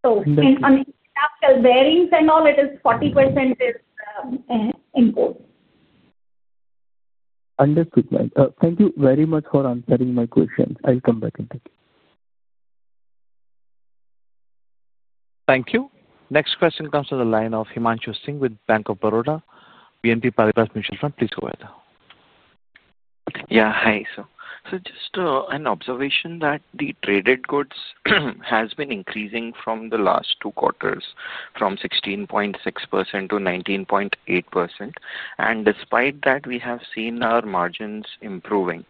On the bearings and all, it is 40% imports. Understood, ma'am. Thank you very much for answering my questions. I'll come back in. Thank you. Thank you. Next question comes from the line of Himanshu Singh with Bank of Baroda, BNP Paribas Mutual Fund. Please go ahead. Yeah. Hi, sir. Just an observation that the traded goods has been increasing from the last two quarters, from 16.6% to 19.8%. Despite that, we have seen our margins improving.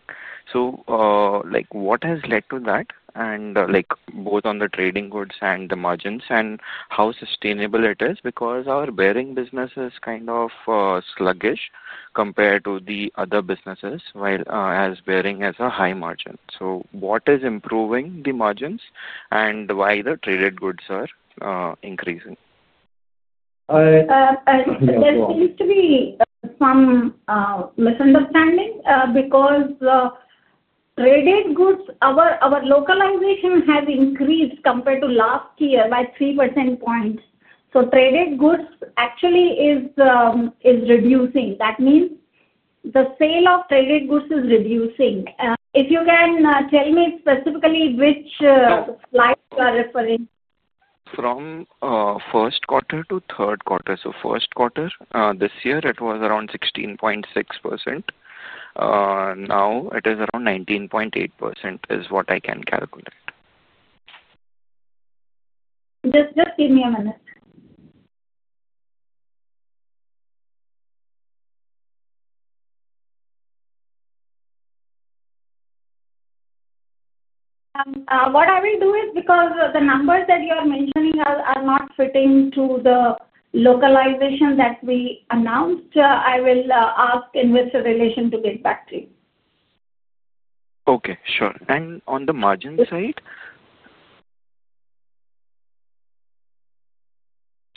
What has led to that, both on the trading goods and the margins, and how sustainable it is? Because our bearings business is kind of sluggish compared to the other businesses, as bearings has a high margin. What is improving the margins and why the traded goods are increasing? There seems to be some misunderstanding because traded goods, our localization has increased compared to last year by 3 percentage points. Traded goods actually is reducing. That means the sale of traded goods is reducing. If you can tell me specifically which slides you are referring to. From first quarter to third quarter. First quarter this year, it was around 16.6%. Now, it is around 19.8% is what I can calculate. Just give me a minute. What I will do is, because the numbers that you are mentioning are not fitting to the localization that we announced, I will ask in this relation to get back to you. Okay. Sure. On the margin side,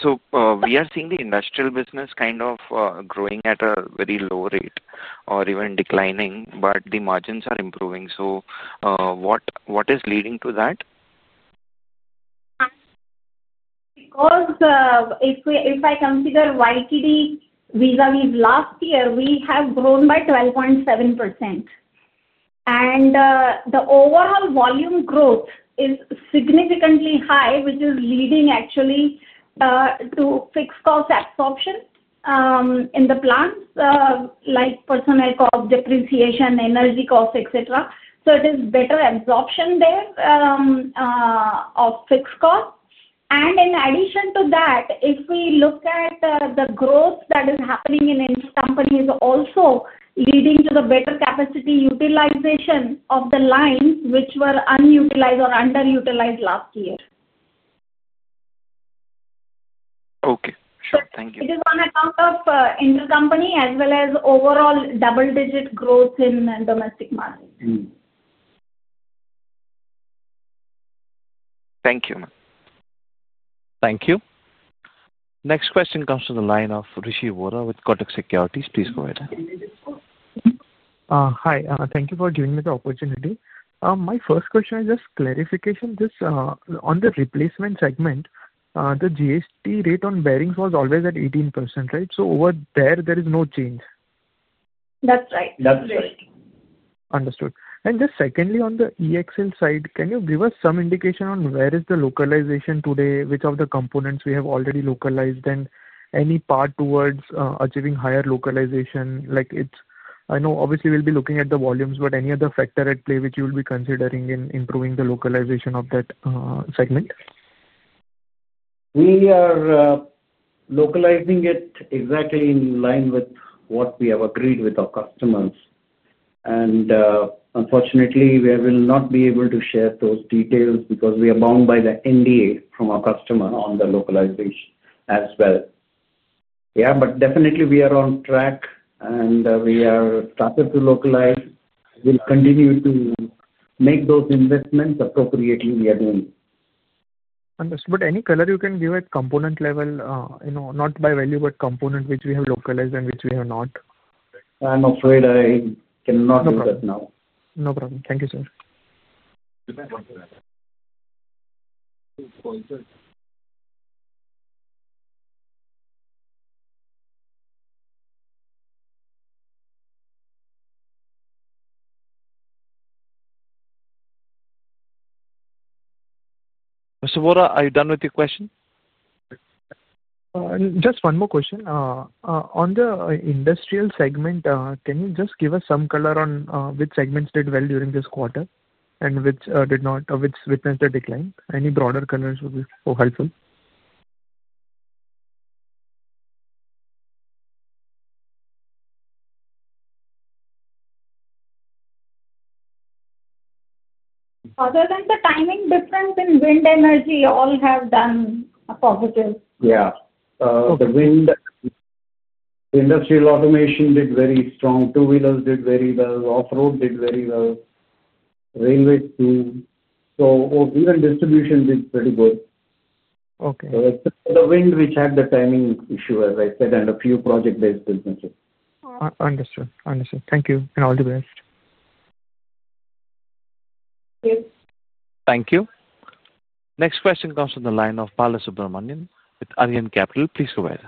we are seeing the industrial business kind of growing at a very low rate or even declining, but the margins are improving. What is leading to that? Because if I consider YTD vis-à-vis last year, we have grown by 12.7%. The overall volume growth is significantly high, which is leading actually to fixed cost absorption in the plants, like personnel cost, depreciation, energy cost, etc. It is better absorption there of fixed cost. In addition to that, if we look at the growth that is happening in intercompany, it is also leading to the better capacity utilization of the lines which were unutilized or underutilized last year. Okay. Sure. Thank you. It is on account of intercompany as well as overall double-digit growth in domestic market. Thank you, ma'am. Thank you. Next question comes from the line of Rishi Vora with Kotak Securities. Please go ahead. Hi. Thank you for giving me the opportunity. My first question is just clarification. Just on the replacement segment, the GST rate on bearings was always at 18%, right? Over there, there is no change. That's right. That's right. Understood. Just secondly, on the EXL side, can you give us some indication on where is the localization today, which of the components we have already localized, and any part towards achieving higher localization? I know, obviously, we will be looking at the volumes, but any other factor at play which you will be considering in improving the localization of that segment? We are localizing it exactly in line with what we have agreed with our customers. Unfortunately, we will not be able to share those details because we are bound by the NDA from our customer on the localization as well. Yeah. Definitely, we are on track, and we have started to localize. We will continue to make those investments appropriately we are doing. Understood. Any color you can give at component level, not by value, but component which we have localized and which we have not? I'm afraid I cannot do that now. No problem. Thank you, sir. Mr. Vora, are you done with your question? Just one more question. On the industrial segment, can you just give us some color on which segments did well during this quarter and which did not, which witnessed a decline? Any broader colors would be helpful. Other than the timing difference in wind energy, all have done positive. Yeah. The wind. Industrial automation did very strong. Two-wheelers did very well. Off-road did very well. Railway too. Even distribution did pretty good. It is the wind which had the timing issue, as I said, and a few project-based businesses. Understood. Understood. Thank you. And all the best. Thank you. Thank you. Next question comes from the line of Balasubramanian with Arihant Capital. Please go ahead.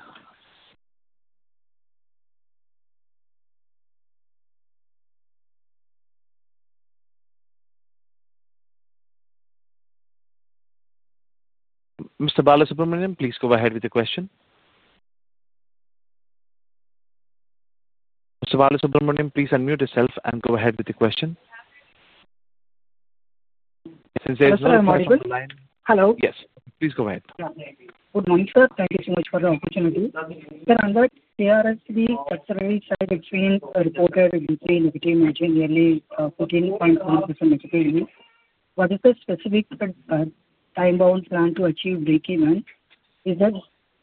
Mr. Balasubramanian, please go ahead with the question. Mr. Balasubramanian, please unmute yourself and go ahead with the question. Since there's no one on the line. Hello. Yes. Please go ahead. Good morning, sir. Thank you so much for the opportunity. Sir, on the KRSV clutch service side, we've seen a reported weekly inhibitive margin nearly 14.1%. What is the specific time-bound plan to achieve break-even? Is the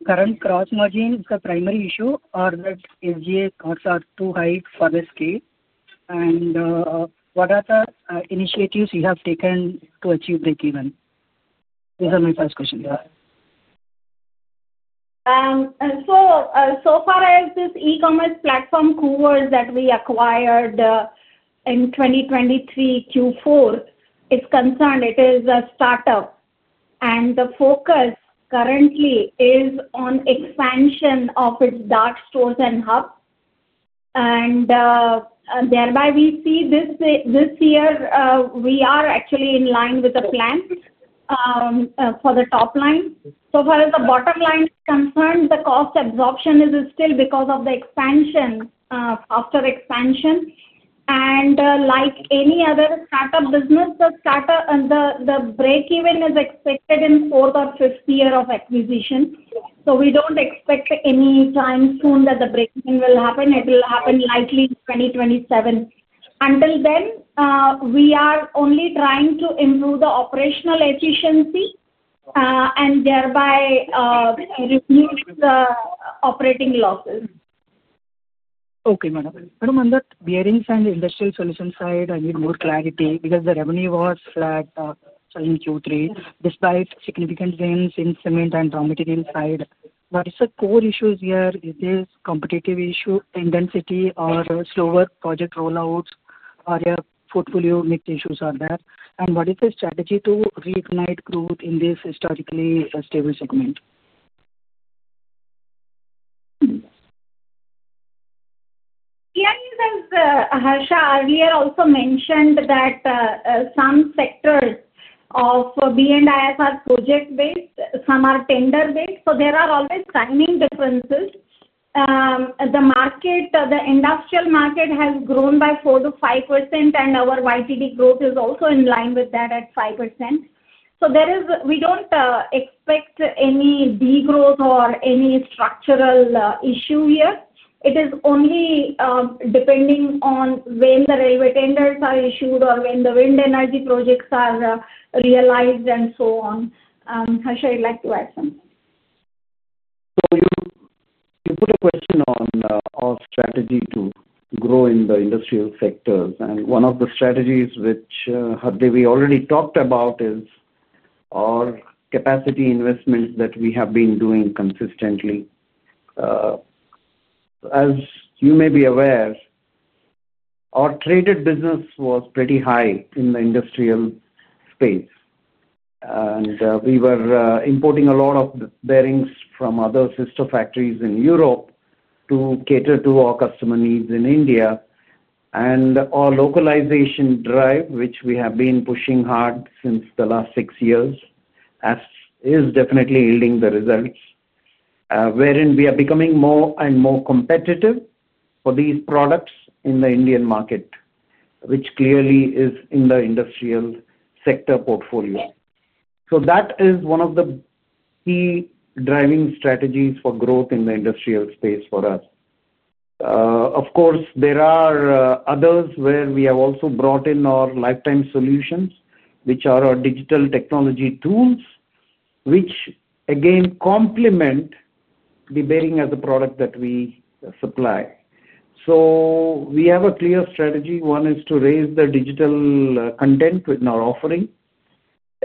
current gross margin the primary issue, or that SGA costs are too high for this scale? What are the initiatives you have taken to achieve break-even? These are my first questions. So far as this e-commerce platform, Koovers, that we acquired in 2023 Q4, is concerned, it is a startup. The focus currently is on expansion of its dark stores and hub. Thereby, we see this year we are actually in line with the plan for the top line. So far as the bottom line is concerned, the cost absorption is still because of the expansion, faster expansion. Like any other startup business, the break-even is expected in the fourth or fifth year of acquisition. We do not expect anytime soon that the break-even will happen. It will happen likely in 2027. Until then, we are only trying to improve the operational efficiency and thereby reduce the operating losses. Okay, madam. Madam, on that bearings and industrial solutions side, I need more clarity because the revenue was flat in Q3 despite significant gains in cement and raw material side. What are the core issues here? Is this a competitive issue, tendency, or slower project rollouts, or your portfolio mix issues are there? What is the strategy to reignite growth in this historically stable segment? Yeah. As Harsha earlier also mentioned, some sectors of B&IS are project-based, some are tender-based. There are always timing differences. The industrial market has grown by 4%-5%, and our YTD growth is also in line with that at 5%. We do not expect any degrowth or any structural issue here. It is only depending on when the railway tenders are issued or when the wind energy projects are realized and so on. Harsha, you'd like to add something? You put a question on our strategy to grow in the industrial sectors. One of the strategies which we already talked about is our capacity investments that we have been doing consistently. As you may be aware, our traded business was pretty high in the industrial space. We were importing a lot of bearings from other sister factories in Europe to cater to our customer needs in India. Our localization drive, which we have been pushing hard since the last six years, is definitely yielding the results. We are becoming more and more competitive for these products in the Indian market, which clearly is in the industrial sector portfolio. That is one of the key driving strategies for growth in the industrial space for us. Of course, there are others where we have also brought in our lifetime solutions, which are our digital technology tools, which again complement the bearing as a product that we supply. We have a clear strategy. One is to raise the digital content in our offering,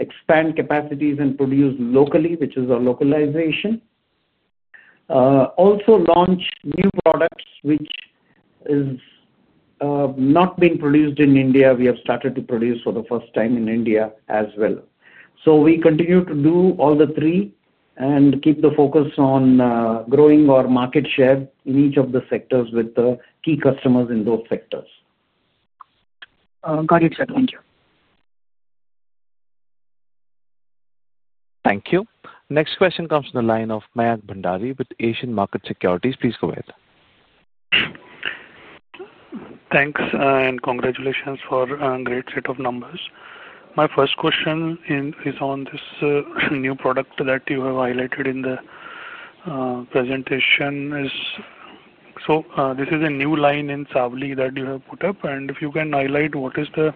expand capacities and produce locally, which is our localization, and also launch new products, which are not being produced in India. We have started to produce for the first time in India as well. We continue to do all the three and keep the focus on growing our market share in each of the sectors with the key customers in those sectors. Got it, sir. Thank you. Thank you. Next question comes from the line of Mayank Bhandari with Asian Market Securities. Please go ahead. Thanks. Congratulations for a great set of numbers. My first question is on this new product that you have highlighted in the presentation. This is a new line in Savli that you have put up. If you can highlight what is the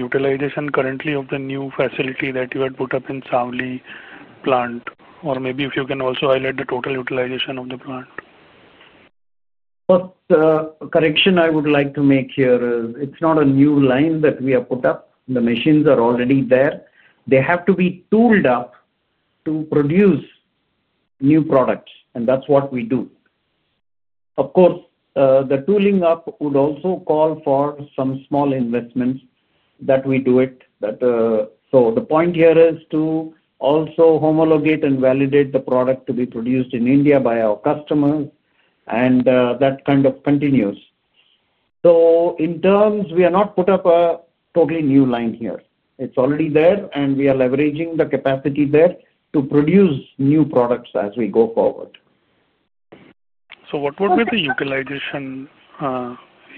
utilization currently of the new facility that you had put up in Savli plant, or maybe if you can also highlight the total utilization of the plant. First correction I would like to make here is it's not a new line that we have put up. The machines are already there. They have to be tooled up to produce new products, and that's what we do. Of course, the tooling up would also call for some small investments that we do. The point here is to also homologate and validate the product to be produced in India by our customers, and that kind of continues. We have not put up a totally new line here. It's already there, and we are leveraging the capacity there to produce new products as we go forward. So what would be the utilization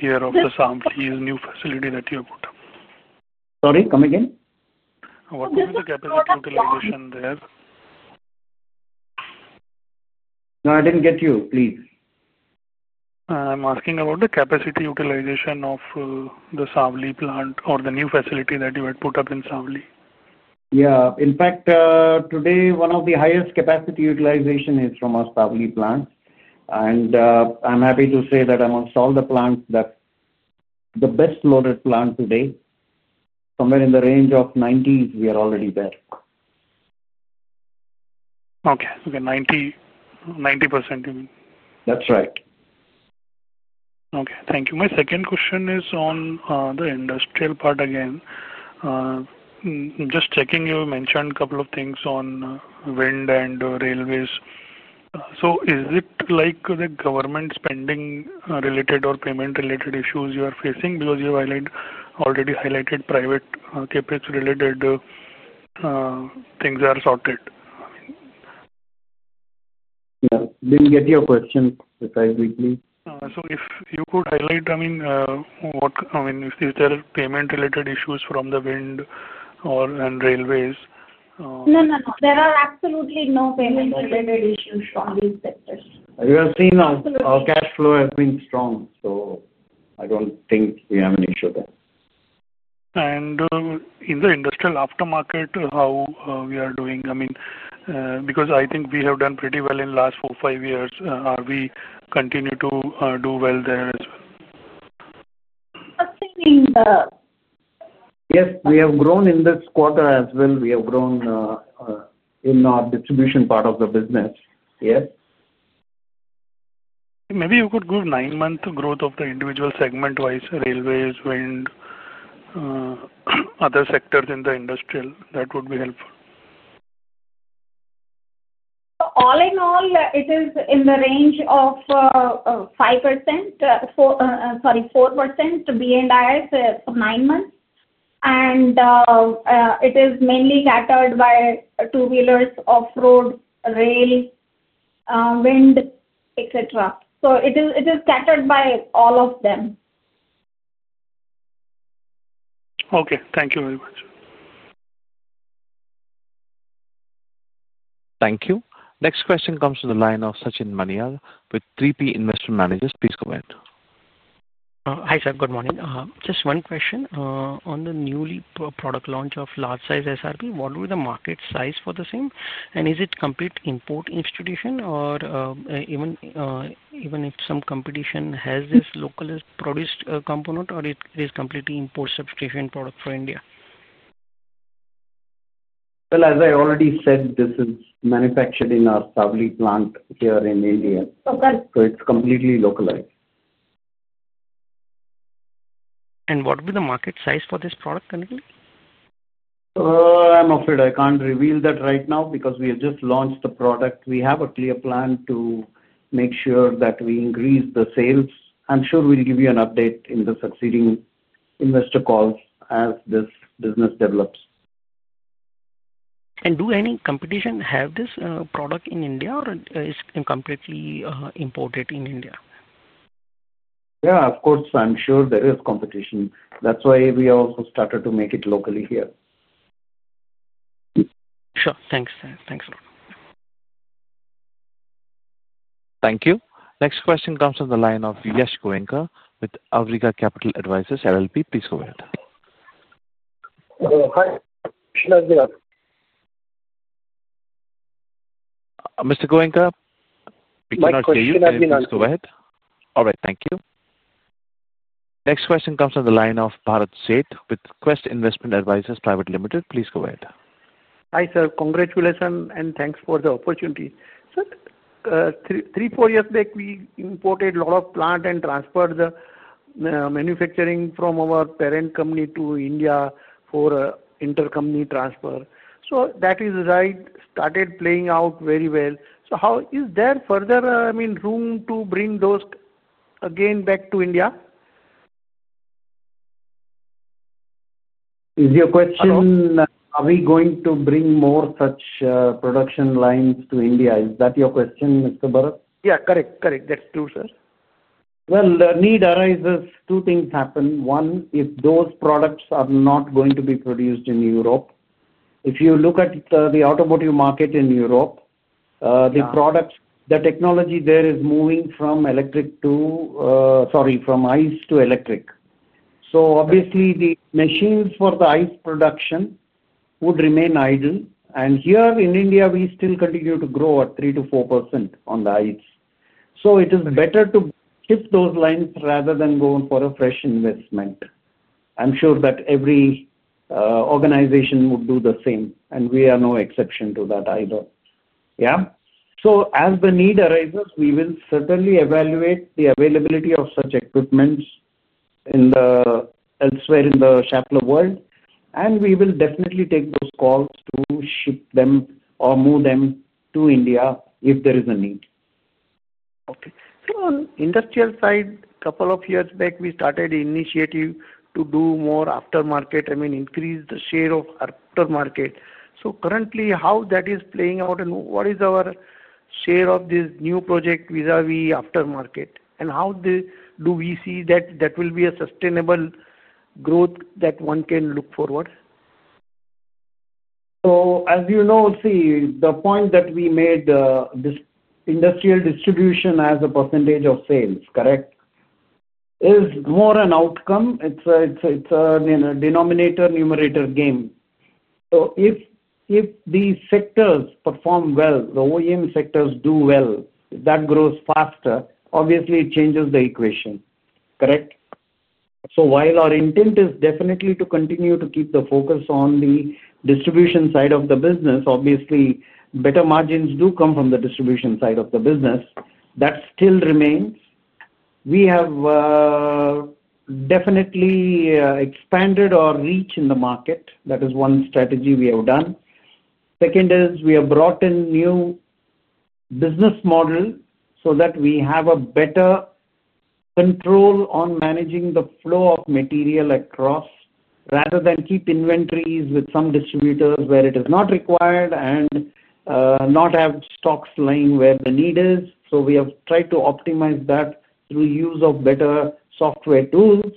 here of the Savli new facility that you have put up? Sorry? Come again? What would be the capacity utilization there? No, I didn't get you. Please. I'm asking about the capacity utilization of the Savli plant or the new facility that you had put up in Savli. Yeah. In fact, today, one of the highest capacity utilization is from our Savli plant. I'm happy to say that amongst all the plants, the best-loaded plant today, somewhere in the range of 90, we are already there. Okay. Okay. 90%, you mean? That's right. Okay. Thank you. My second question is on the industrial part again. Just checking, you mentioned a couple of things on wind and railways. Is it like the government spending-related or payment-related issues you are facing? Because you already highlighted private CapEx-related things are sorted. Yeah. Did not get your question precisely, please. If you could highlight, I mean, if these are payment-related issues from the wind and railways. No, no, no. There are absolutely no payment-related issues from these sectors. You have seen our cash flow has been strong, so I do not think we have an issue there. In the industrial aftermarket, how are we doing? I mean, because I think we have done pretty well in the last four, five years. Are we continuing to do well there as well? Yes. We have grown in this quarter as well. We have grown in our distribution part of the business. Yes. Maybe you could give nine-month growth of the individual segment-wise: railways, wind, other sectors in the industrial. That would be helpful. All in all, it is in the range of 5%. Sorry, 4% to B&IS for nine months. It is mainly gathered by two-wheelers, off-road, rail, wind, etc. It is gathered by all of them. Okay. Thank you very much. Thank you. Next question comes from the line of Sachin Maniar with 3P Investment Managers. Please go ahead. Hi, sir. Good morning. Just one question. On the newly product launch of large-size SRP, what will be the market size for the same? Is it complete import institution, or even if some competition has this localized produced component, or is it completely import substitution product for India? As I already said, this is manufactured in our Savli plant here in India. It is completely localized. What will be the market size for this product currently? I am afraid I cannot reveal that right now because we have just launched the product. We have a clear plan to make sure that we increase the sales. I am sure we will give you an update in the succeeding investor calls as this business develops. Does any competition have this product in India, or is it completely imported in India? Yeah, of course. I am sure there is competition. That is why we also started to make it locally here. Sure. Thanks, sir. Thanks a lot. Thank you. Next question comes from the line of Yash Gohenkar with Auriga Capital Advisors LLP. Please go ahead. Hi. Mr. Gohenkar. We cannot hear you. Please go ahead. All right. Thank you. Next question comes from the line of Bharat Sheth with Quest Investment Advisors Private Limited. Please go ahead. Hi, sir. Congratulations and thanks for the opportunity. Sir, three, four years back, we imported a lot of plant and transferred the manufacturing from our parent company to India for intercompany transfer. That is right. Started playing out very well. Is there further, I mean, room to bring those again back to India? Is your question. Are we going to bring more such production lines to India? Is that your question, Mr. Bharat? Yeah. Correct. Correct. That's true, sir. The need arises, two things happen. One, if those products are not going to be produced in Europe. If you look at the automotive market in Europe, the products, the technology there is moving from ICE to electric. Obviously, the machines for the ICE production would remain idle. Here in India, we still continue to grow at 3%-4% on the ICE. It is better to shift those lines rather than go for a fresh investment. I'm sure that every organization would do the same. We are no exception to that either. As the need arises, we will certainly evaluate the availability of such equipment elsewhere in the Schaeffler world, and we will definitely take those calls to ship them or move them to India if there is a need. On the industrial side, a couple of years back, we started an initiative to do more aftermarket, I mean, increase the share of aftermarket. Currently, how that is playing out and what is our share of this new project vis-à-vis aftermarket? How do we see that that will be a sustainable growth that one can look forward to? As you know, see, the point that we made, this industrial distribution as a percentage of sales, correct, is more an outcome. It's a denominator-numerator game. If these sectors perform well, the OEM sectors do well, that grows faster, obviously, it changes the equation, correct? While our intent is definitely to continue to keep the focus on the distribution side of the business, obviously, better margins do come from the distribution side of the business, that still remains. We have definitely expanded our reach in the market. That is one strategy we have done. Second is we have brought in new business models so that we have a better control on managing the flow of material across rather than keep inventories with some distributors where it is not required and not have stocks lying where the need is. We have tried to optimize that through use of better software tools.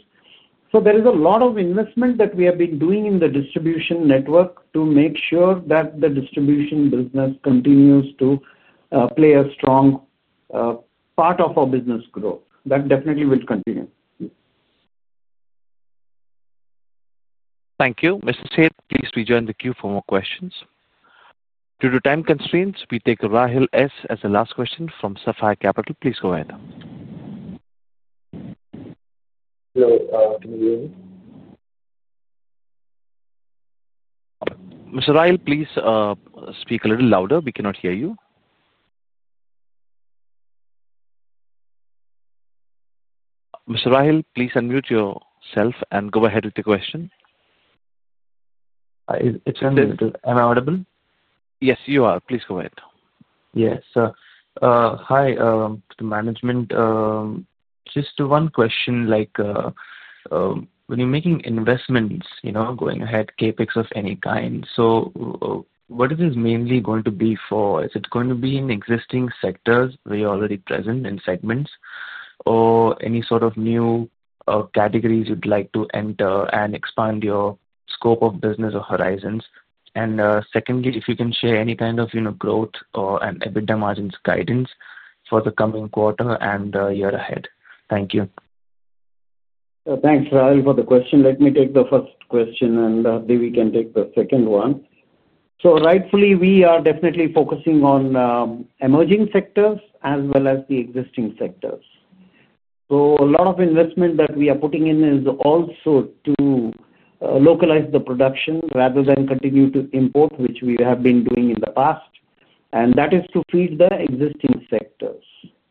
There is a lot of investment that we have been doing in the distribution network to make sure that the distribution business continues to play a strong part of our business growth. That definitely will continue. Thank you. Mr. Sheth, please rejoin the queue for more questions. Due to time constraints, we take Rahil S. as the last question from Safire Capital. Please go ahead. Hello. Can you hear me? Mr. Rahil, please speak a little louder. We cannot hear you. Mr. Rahil, please unmute yourself and go ahead with the question. Am I audible? Yes, you are. Please go ahead. Yes. Hi, to the management. Just one question. When you're making investments, going ahead, CapEx of any kind, what is this mainly going to be for? Is it going to be in existing sectors where you're already present in segments, or any sort of new categories you'd like to enter and expand your scope of business or horizons? And secondly, if you can share any kind of growth or EBITDA margins guidance for the coming quarter and year ahead. Thank you. Thanks, Rahil, for the question. Let me take the first question, and then we can take the second one. Rightfully, we are definitely focusing on emerging sectors as well as the existing sectors. A lot of investment that we are putting in is also to localize the production rather than continue to import, which we have been doing in the past. That is to feed the existing sectors,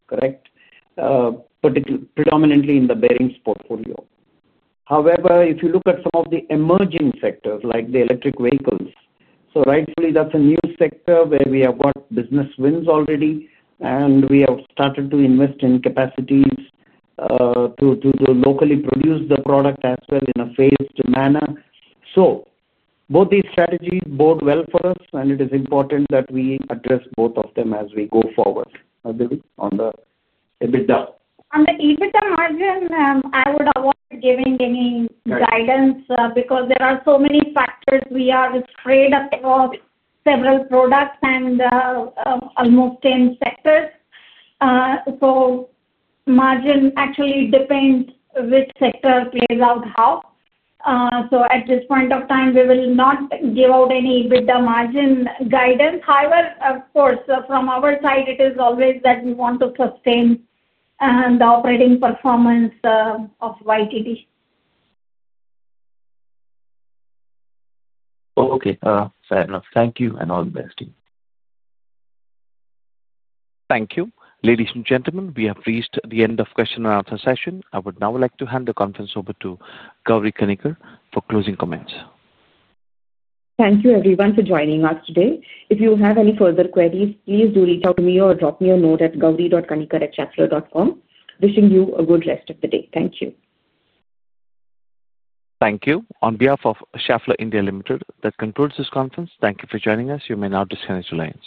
correct? Predominantly in the bearings portfolio. However, if you look at some of the emerging sectors, like the electric vehicles, rightfully, that's a new sector where we have got business wins already, and we have started to invest in capacities to locally produce the product as well in a phased manner. Both these strategies bode well for us, and it is important that we address both of them as we go forward. How do we on the EBITDA? On the EBITDA margin, I would avoid giving any guidance because there are so many factors. We are spread across several products and almost 10 sectors. Margin actually depends which sector plays out how. At this point of time, we will not give out any EBITDA margin guidance. However, of course, from our side, it is always that we want to sustain the operating performance of YTD. Okay. Fair enough. Thank you, and all the best to you. Thank you. Ladies and gentlemen, we have reached the end of the question-and-answer session. I would now like to hand the conference over to Gauri Kanikar for closing comments. Thank you, everyone, for joining us today. If you have any further queries, please do reach out to me or drop me a note at gauri.kanicker@schaeffler.com. Wishing you a good rest of the day. Thank you. Thank you. On behalf of Schaeffler India Limited, that concludes this conference. Thank you for joining us. You may now disconnect your lines.